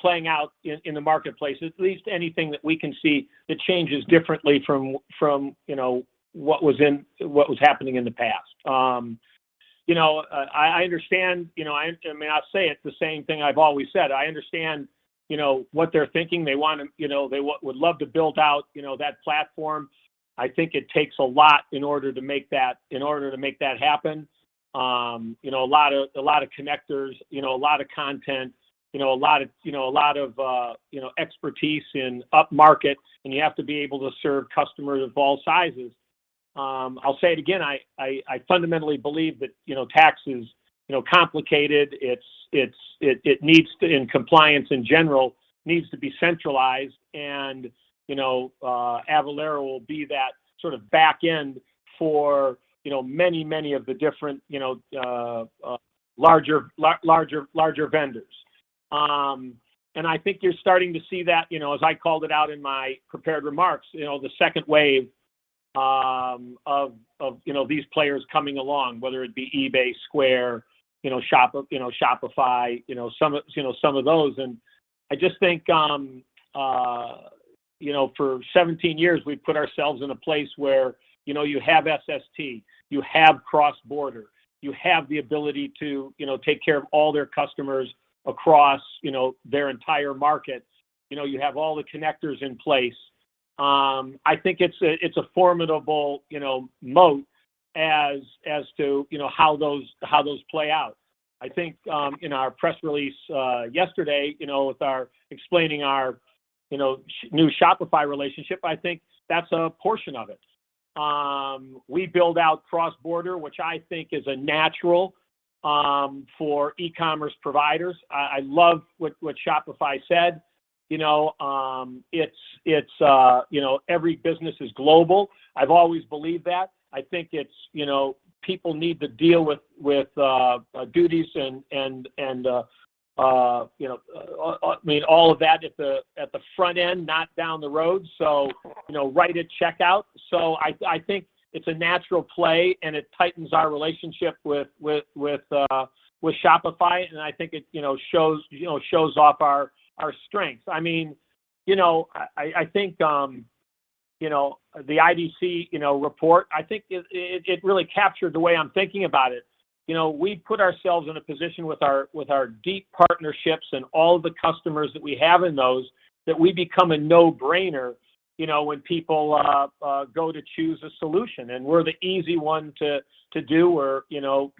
playing out in the marketplace, at least anything that we can see that changes differently from what was happening in the past. I understand, you know, I mean, I'll say the same thing I've always said. I understand, you know, what they're thinking. They wanna, you know, they would love to build out, you know, that platform. I think it takes a lot in order to make that happen. You know, a lot of connectors, you know, a lot of content, you know, a lot of expertise in upmarket, and you have to be able to serve customers of all sizes. I'll say it again, I fundamentally believe that, you know, tax is, you know, complicated. It needs to be centralized in compliance in general. You know, Avalara will be that sort of back end for, you know, many of the different, you know, larger vendors. I think you're starting to see that, you know, as I called it out in my prepared remarks, you know, the second wave of, you know, these players coming along, whether it be eBay, Square, you know, Shopify, you know, some of, you know, some of those. I just think, you know, for 17 years, we've put ourselves in a place where, you know, you have SST, you have cross-border, you have the ability to, you know, take care of all their customers across, you know, their entire markets. You know, you have all the connectors in place. I think it's a formidable, you know, moat as to, you know, how those play out. I think in our press release yesterday, you know, with our new Shopify relationship, I think that's a portion of it. We build out cross-border, which I think is a natural for e-commerce providers. I love what Shopify said. You know, it's you know, every business is global. I've always believed that. I think it's you know, people need to deal with duties and I mean, all of that at the front end, not down the road. You know, right at checkout. I think it's a natural play, and it tightens our relationship with Shopify, and I think it you know, shows you know, shows off our strengths. I mean, you know, I think, you know, the IDC, you know, report, I think it really captured the way I'm thinking about it. You know, we put ourselves in a position with our deep partnerships and all of the customers that we have in those that we become a no-brainer, you know, when people go to choose a solution. We're the easy one to do or, you know,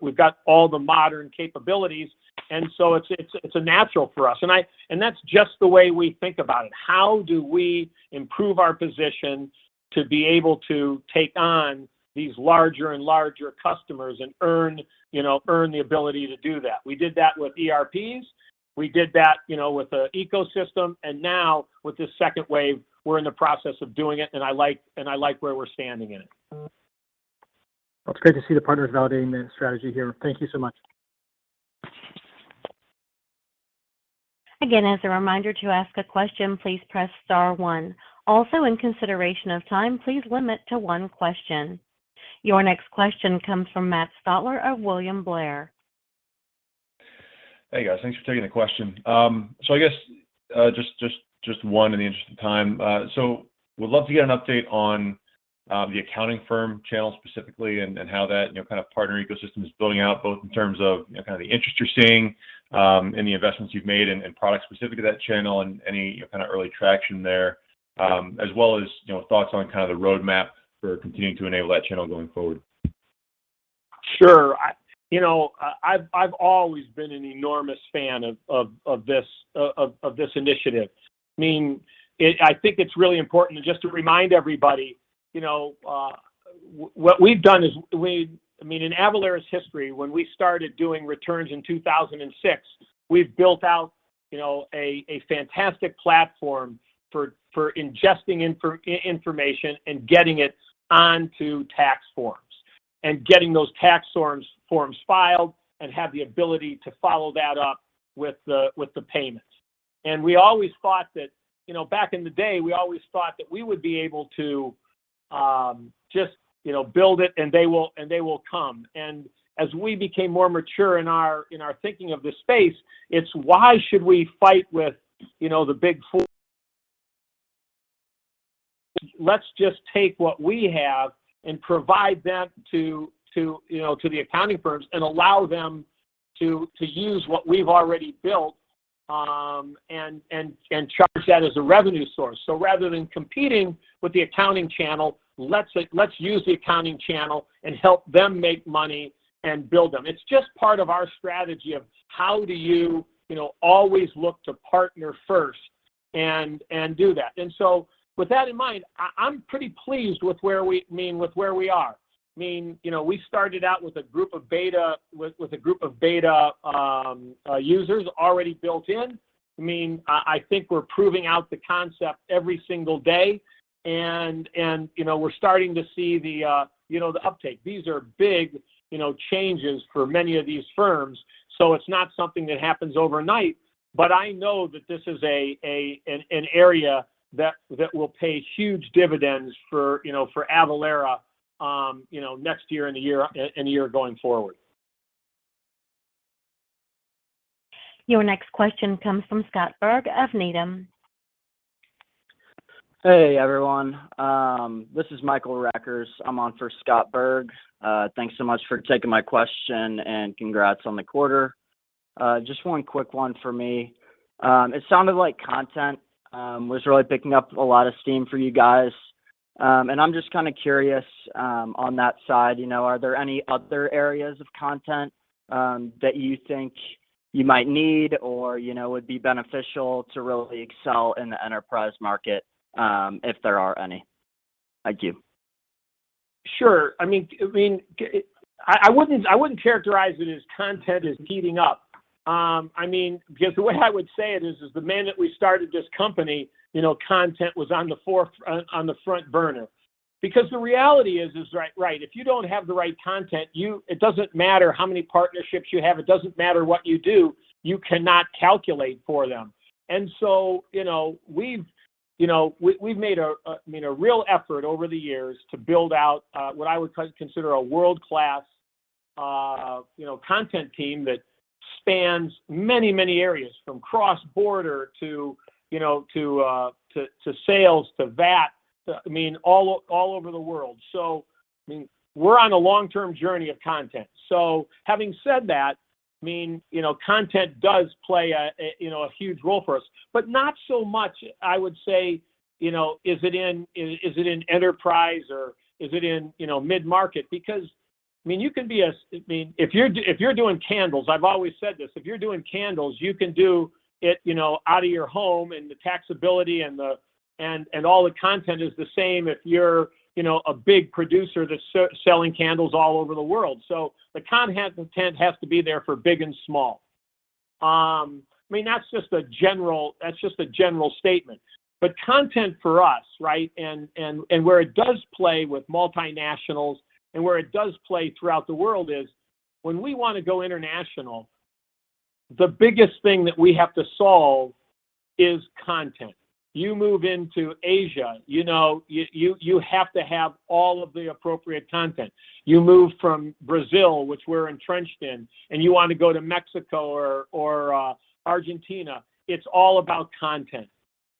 we've got all the modern capabilities. It's a natural for us. That's just the way we think about it. How do we improve our position to be able to take on these larger and larger customers and earn the ability to do that? We did that with ERPs. We did that, you know, with the ecosystem. Now with this second wave, we're in the process of doing it, and I like where we're standing in it. Well, it's great to see the partners validating the strategy here. Thank you so much. Again, as a reminder, to ask a question, please press star one. Also, in consideration of time, please limit to one question. Your next question comes from Matt Stotler of William Blair. Hey, guys. Thanks for taking the question. Just one in the interest of time. Would love to get an update on the accounting firm channel specifically and how that partner ecosystem is building out, both in terms of the interest you're seeing and the investments you've made in products specific to that channel and any early traction there, as well as thoughts on the roadmap for continuing to enable that channel going forward. Sure. You know, I've always been an enormous fan of this initiative. I mean, I think it's really important just to remind everybody, you know, what we've done is in Avalara's history, when we started doing returns in 2006, we've built out, you know, a fantastic platform for ingesting information and getting it onto tax forms and getting those tax forms filed and have the ability to follow that up with the payment. We always thought that, you know, back in the day, we would be able to just, you know, build it, and they will come. As we became more mature in our thinking of this space, it's why should we fight with, you know, the big four? Let's just take what we have and provide them to, you know, to the accounting firms and allow them to use what we've already built and charge that as a revenue source. Rather than competing with the accounting channel, let's use the accounting channel and help them make money and build them. It's just part of our strategy of how do you know, always look to partner first and do that. With that in mind, I'm pretty pleased with where we I mean, with where we are. I mean, you know, we started out with a group of beta users already built in. I mean, I think we're proving out the concept every single day, and you know, we're starting to see the uptake. These are big, you know, changes for many of these firms, so it's not something that happens overnight. I know that this is an area that will pay huge dividends for, you know, for Avalara, you know, next year and the year going forward. Your next question comes from Scott Berg of Needham. Hey, everyone. This is Michael Rackers. I'm on for Scott Berg. Thanks so much for taking my question, and congrats on the quarter. Just one quick one for me. It sounded like content was really picking up a lot of steam for you guys. I'm just kind of curious, on that side, you know, are there any other areas of content that you think you might need or, you know, would be beneficial to really excel in the enterprise market, if there are any? Thank you. Sure. I mean, I wouldn't characterize it as content is heating up. I mean, because the way I would say it is the minute we started this company, you know, content was on the front burner. The reality is right, if you don't have the right content, it doesn't matter how many partnerships you have, it doesn't matter what you do, you cannot calculate for them. You know, we've made, I mean, a real effort over the years to build out what I would consider a world-class, you know, content team that spans many areas from cross-border to, you know, to sales to VAT to, I mean, all over the world. I mean, we're on a long-term journey of content. Having said that, I mean, you know, content does play a huge role for us, but not so much, I would say, you know, is it in enterprise or is it in, you know, mid-market? Because, I mean, you can be a... I mean, if you're doing candles, I've always said this, if you're doing candles, you can do it, you know, out of your home, and the taxability and all the content is the same if you're, you know, a big producer that's selling candles all over the world. The content has to be there for big and small. I mean, that's just a general statement. Content for us, right, and where it does play with multinationals and where it does play throughout the world is when we wanna go international, the biggest thing that we have to solve is content. You move into Asia, you know, you have to have all of the appropriate content. You move from Brazil, which we're entrenched in, and you want to go to Mexico or Argentina, it's all about content.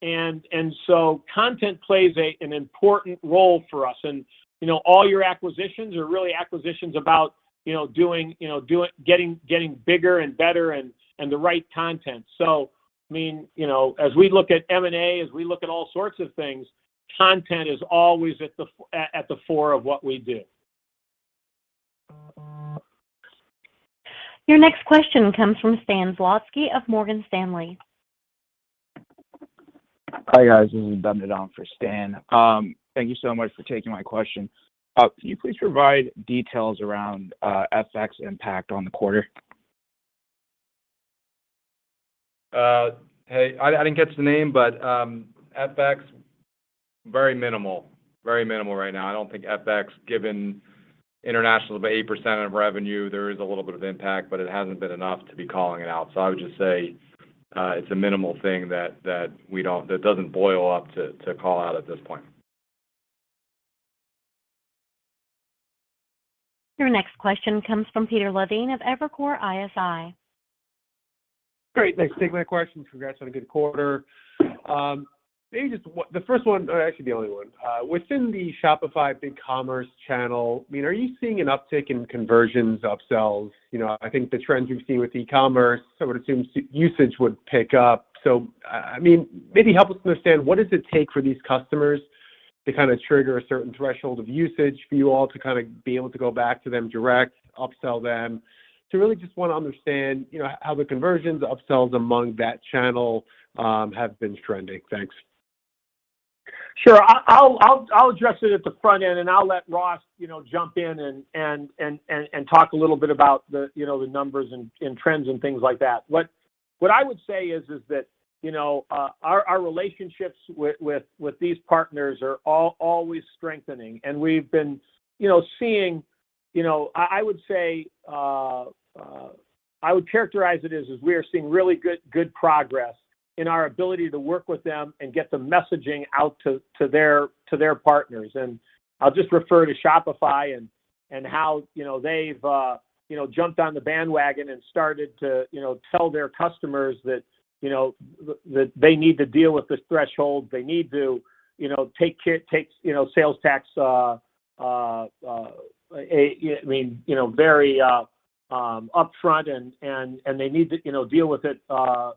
Content plays an important role for us and, you know, all your acquisitions are really acquisitions about, you know, doing getting bigger and better and the right content. I mean, you know, as we look at M&A, as we look at all sorts of things, content is always at the fore of what we do. Your next question comes from Stan Zlotsky of Morgan Stanley. Hi, guys. This is Hamza Fodderwala for Stan Zlotsky. Thank you so much for taking my question. Can you please provide details around FX impact on the quarter? Hey, I didn't catch the name, but FX, very minimal. Very minimal right now. I don't think FX, given international is about 8% of revenue, there is a little bit of impact, but it hasn't been enough to be calling it out. I would just say, it's a minimal thing that doesn't boil up to call out at this point. Your next question comes from Peter Levine of Evercore ISI. Great. Thanks for taking my question. Congrats on a good quarter. Actually the only one. Within the Shopify BigCommerce channel, I mean, are you seeing an uptick in conversions, upsells? You know, I think the trends we've seen with e-commerce, I would assume usage would pick up. I mean, maybe help us understand what does it take for these customers to kinda trigger a certain threshold of usage for you all to kinda be able to go back to them directly, upsell them? Really just wanna understand, you know, how the conversions, upsells among that channel have been trending. Thanks. Sure. I'll address it at the front end, and I'll let Ross, you know, jump in and talk a little bit about the, you know, the numbers and trends and things like that. What I would say is that, you know, our relationships with these partners are always strengthening. We've been, you know, seeing. You know, I would characterize it as we are seeing really good progress in our ability to work with them and get the messaging out to their partners. I'll just refer to Shopify and how, you know, they've, you know, jumped on the bandwagon and started to, you know, tell their customers that, you know, that they need to deal with this threshold. They need to, you know, take sales tax, I mean, you know, very upfront and they need to, you know, deal with it,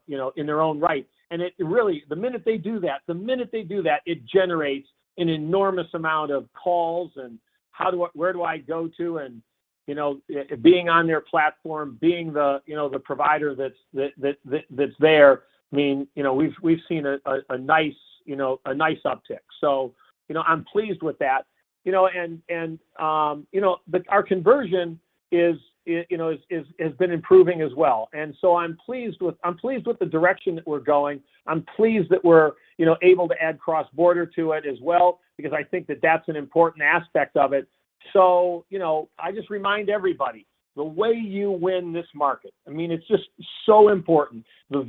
you know, in their own right. It really, the minute they do that, it generates an enormous amount of calls and how do I, where do I go to? You know, being on their platform, being the provider that's there, I mean, you know, we've seen a nice uptick. You know, I'm pleased with that. You know, but our conversion has been improving as well. I'm pleased with the direction that we're going. I'm pleased that we're, you know, able to add cross-border to it as well because I think that that's an important aspect of it. You know, I just remind everybody, the way you win this market, I mean, it's just so important. The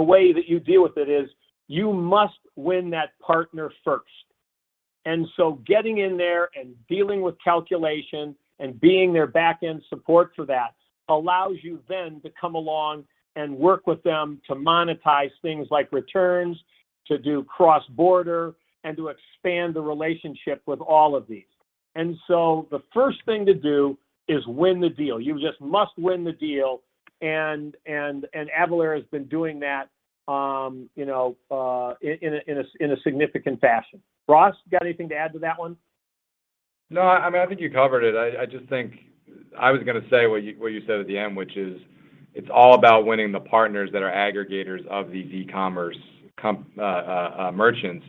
way that you deal with it is you must win that partner first. Getting in there and dealing with calculation and being their back-end support for that allows you then to come along and work with them to monetize things like returns, to do cross-border, and to expand the relationship with all of these. The first thing to do is win the deal. You just must win the deal and Avalara's been doing that, you know, in a significant fashion. Ross, got anything to add to that one? No. I mean, I think you covered it. I just think I was gonna say what you said at the end, which is it's all about winning the partners that are aggregators of these e-commerce merchants.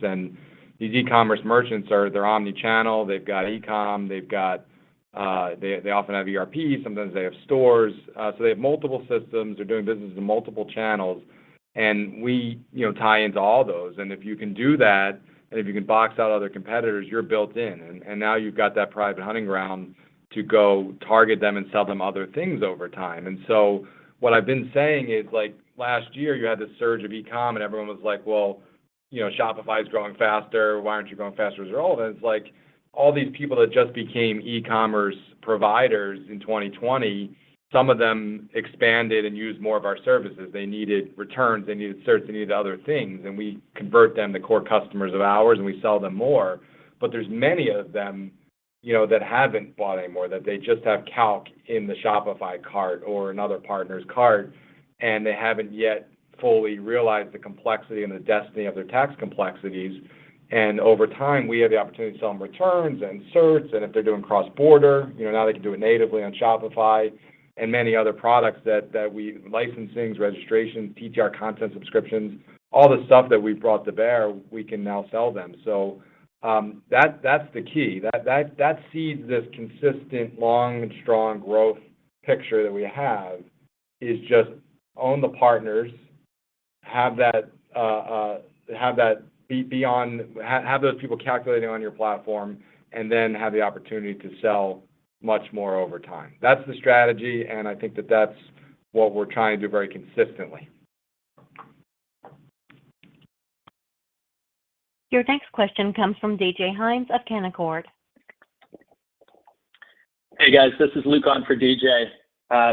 These e-commerce merchants are, they're omni-channel. They've got e-com, they've got They often have ERP, sometimes they have stores. They have multiple systems. They're doing business in multiple channels, and we, you know, tie into all those. If you can do that, and if you can box out other competitors, you're built in, and now you've got that private hunting ground to go target them and sell them other things over time. What I've been saying is, like last year, you had this surge of e-com, and everyone was like, "Well, you know, Shopify's growing faster. Why aren't you growing faster as well?" It's like all these people that just became e-commerce providers in 2020, some of them expanded and used more of our services. They needed returns, they needed certs, they needed other things, and we convert them to core customers of ours, and we sell them more. There's many of them, you know, that haven't bought any more, that they just have calc in the Shopify cart or another partner's cart, and they haven't yet fully realized the complexity and the density of their tax complexities. Over time, we have the opportunity to sell them returns and certs, and if they're doing cross-border, you know, now they can do it natively on Shopify and many other products that we licensings, registrations, TTR content subscriptions, all the stuff that we've brought to bear, we can now sell them. That's the key. That seeds this consistent long and strong growth picture that we have is just own the partners, have those people calculating on your platform, and then have the opportunity to sell much more over time. That's the strategy, and I think that that's what we're trying to do very consistently. Your next question comes from DJ Hynes of Canaccord. Hey, guys. This is Luke on for DJ.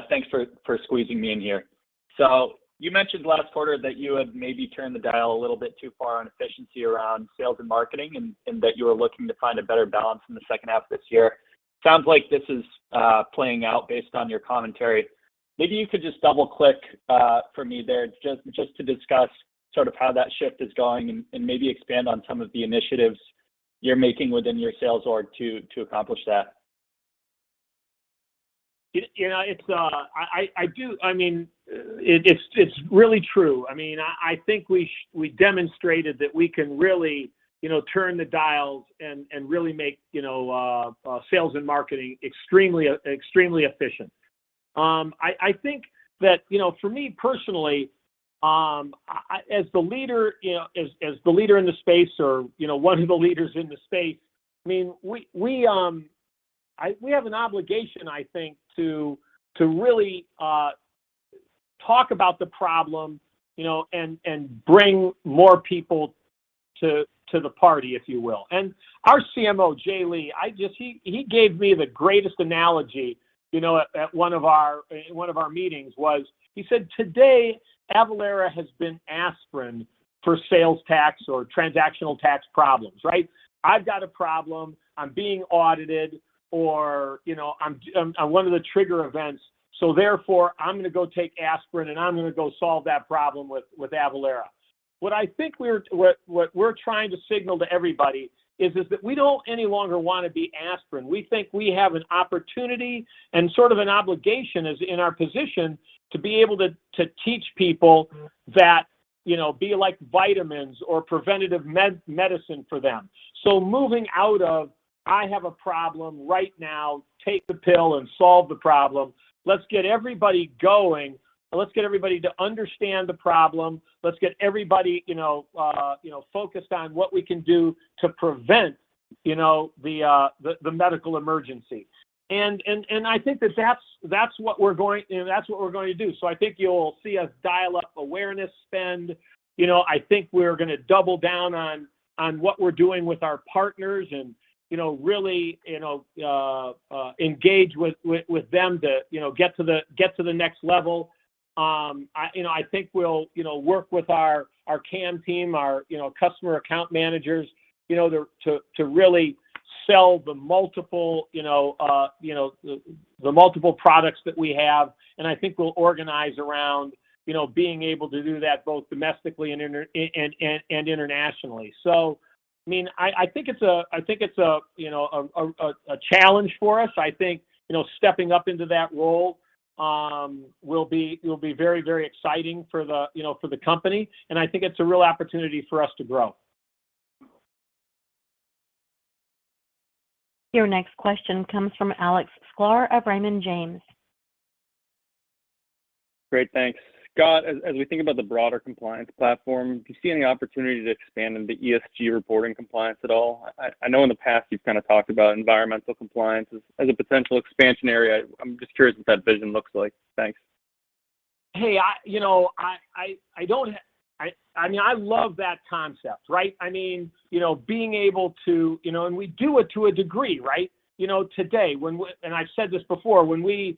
Thanks for squeezing me in here. You mentioned last quarter that you had maybe turned the dial a little bit too far on efficiency around sales and marketing and that you were looking to find a better balance in the second half of this year. Sounds like this is playing out based on your commentary. Maybe you could just double-click for me there just to discuss sort of how that shift is going and maybe expand on some of the initiatives you're making within your sales org to accomplish that. You know, I do. I mean, it's really true. I mean, I think we demonstrated that we can really, you know, turn the dials and really make, you know, sales and marketing extremely efficient. I think that, you know, for me personally, I, as the leader, you know, as the leader in the space or, you know, one of the leaders in the space, I mean, we have an obligation, I think, to really talk about the problem, you know, and bring more people to the party, if you will. Our CMO, Jay Lee, I just. He gave me the greatest analogy, you know, at one of our meetings was he said, "Today, Avalara has been aspirin for sales tax or transactional tax problems," right? I've got a problem. I'm being audited, or, you know, I'm one of the trigger events, so therefore, I'm gonna go take aspirin, and I'm gonna go solve that problem with Avalara. What we're trying to signal to everybody is that we don't any longer wanna be aspirin. We think we have an opportunity and sort of an obligation as in our position to be able to teach people that, you know, be like vitamins or preventative medicine for them. Moving out of, "I have a problem right now. Take the pill and solve the problem." Let's get everybody going. Let's get everybody to understand the problem. Let's get everybody, you know, focused on what we can do to prevent, you know, the medical emergency. I think that's what we're going to do. I think you'll see us dial up awareness spend. You know, I think we're gonna double down on what we're doing with our partners and, you know, really engage with them to, you know, get to the next level. I think we'll work with our CAM team, our customer account managers, you know, to really sell the multiple products that we have. I think we'll organize around, you know, being able to do that both domestically and internationally. I mean, I think it's a challenge for us. I think, you know, stepping up into that role will be very exciting for the company, and I think it's a real opportunity for us to grow. Your next question comes from Alex Sklar of Raymond James. Great. Thanks. Scott, as we think about the broader compliance platform, do you see any opportunity to expand into ESG reporting compliance at all? I know in the past you've kind of talked about environmental compliance as a potential expansion area. I'm just curious what that vision looks like. Thanks. Hey, you know, I mean, I love that concept, right? I mean, you know, being able to, you know, we do it to a degree, right? You know, today, I've said this before. When we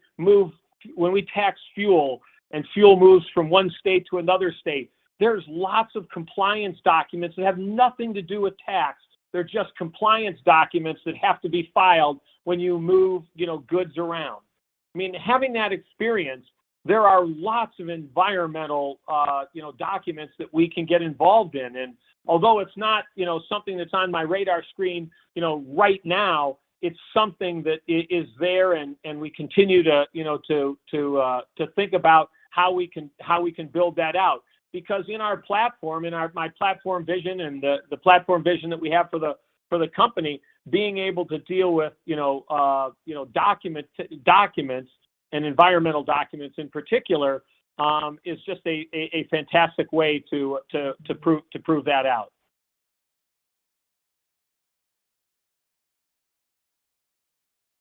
tax fuel and fuel moves from one state to another state, there's lots of compliance documents that have nothing to do with tax. They're just compliance documents that have to be filed when you move, you know, goods around. I mean, having that experience, there are lots of environmental, you know, documents that we can get involved in. Although it's not, you know, something that's on my radar screen, you know, right now, it's something that is there, and we continue to, you know, to think about how we can build that out. Because in our platform, my platform vision and the platform vision that we have for the company, being able to deal with, you know, documents and environmental documents in particular, is just a fantastic way to prove that out.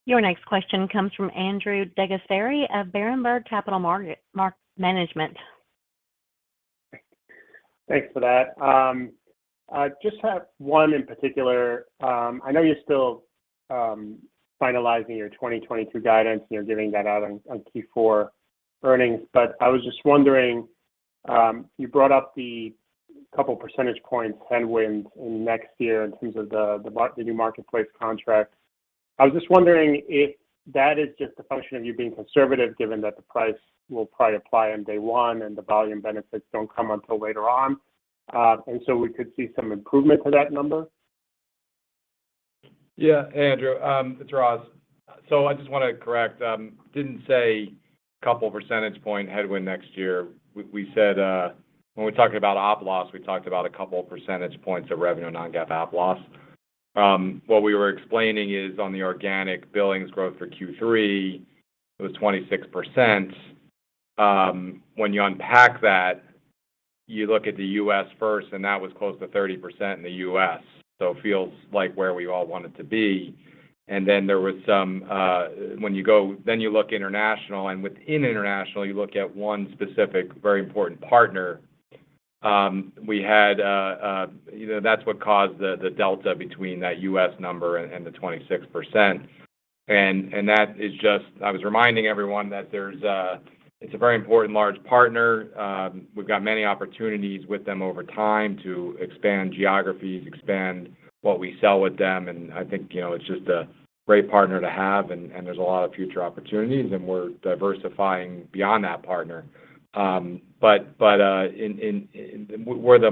Your next question comes from Andrew DeGasperi of Berenberg Capital Markets. Thanks for that. I just have one in particular. I know you're still finalizing your 2022 guidance and you're giving that out on Q4 earnings. I was just wondering, you brought up the couple percentage points headwind in next year in terms of the new marketplace contract. I was just wondering if that is just a function of you being conservative, given that the price will probably apply on day one and the volume benefits don't come until later on, and so we could see some improvement to that number. Yeah. Andrew, it's Ross. I just wanna correct. Didn't say couple percentage point headwind next year. We said when we talked about op loss, we talked about a couple percentage points of revenue non-GAAP op loss. What we were explaining is on the organic billings growth for Q3, it was 26%. When you unpack that, you look at the U.S. first, and that was close to 30% in the U.S., so it feels like where we all want it to be. Then you look international, and within international, you look at one specific very important partner. We had you know that's what caused the delta between that U.S. number and the 26%. And that is just. I was reminding everyone that there's, it's a very important large partner. We've got many opportunities with them over time to expand geographies, expand what we sell with them. I think, you know, it's just a great partner to have, and there's a lot of future opportunities, and we're diversifying beyond that partner. But we're the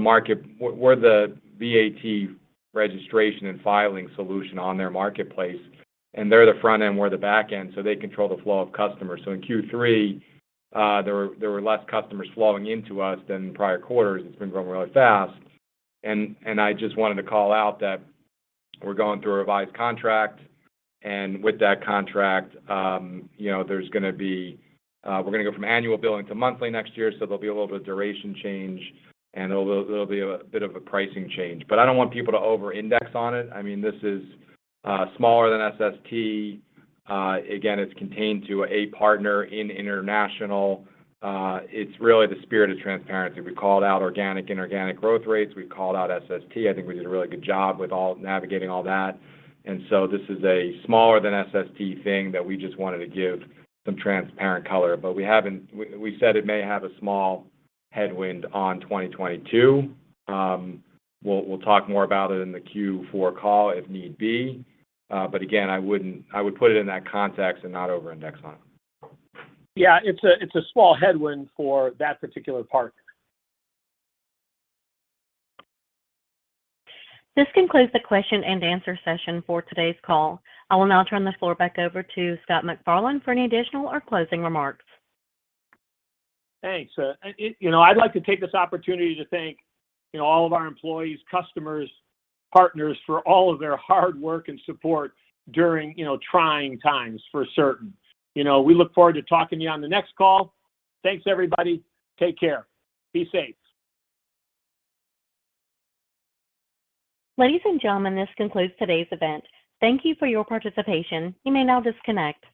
VAT registration and filing solution on their marketplace. They're the front end, we're the back end, so they control the flow of customers. In Q3, there were less customers flowing into us than prior quarters. It's been growing really fast. I just wanted to call out that we're going through a revised contract. With that contract, you know, we're gonna go from annual billing to monthly next year, so there'll be a little bit of duration change, and there'll be a bit of a pricing change. I don't want people to over-index on it. I mean, this is smaller than SST. Again, it's contained to a partner in international. It's really the spirit of transparency. We called out organic, inorganic growth rates. We called out SST. I think we did a really good job navigating all that. This is a smaller than SST thing that we just wanted to give some transparent color. We said it may have a small headwind on 2022. We'll talk more about it in the Q4 call if need be. Again, I would put it in that context and not overindex on it. Yeah. It's a small headwind for that particular partner. This concludes the question and answer session for today's call. I will now turn the floor back over to Scott McFarlane for any additional or closing remarks. Thanks. You know, I'd like to take this opportunity to thank, you know, all of our employees, customers, partners for all of their hard work and support during, you know, trying times for certain. You know, we look forward to talking to you on the next call. Thanks, everybody. Take care. Be safe. Ladies and gentlemen, this concludes today's event. Thank you for your participation. You may now disconnect.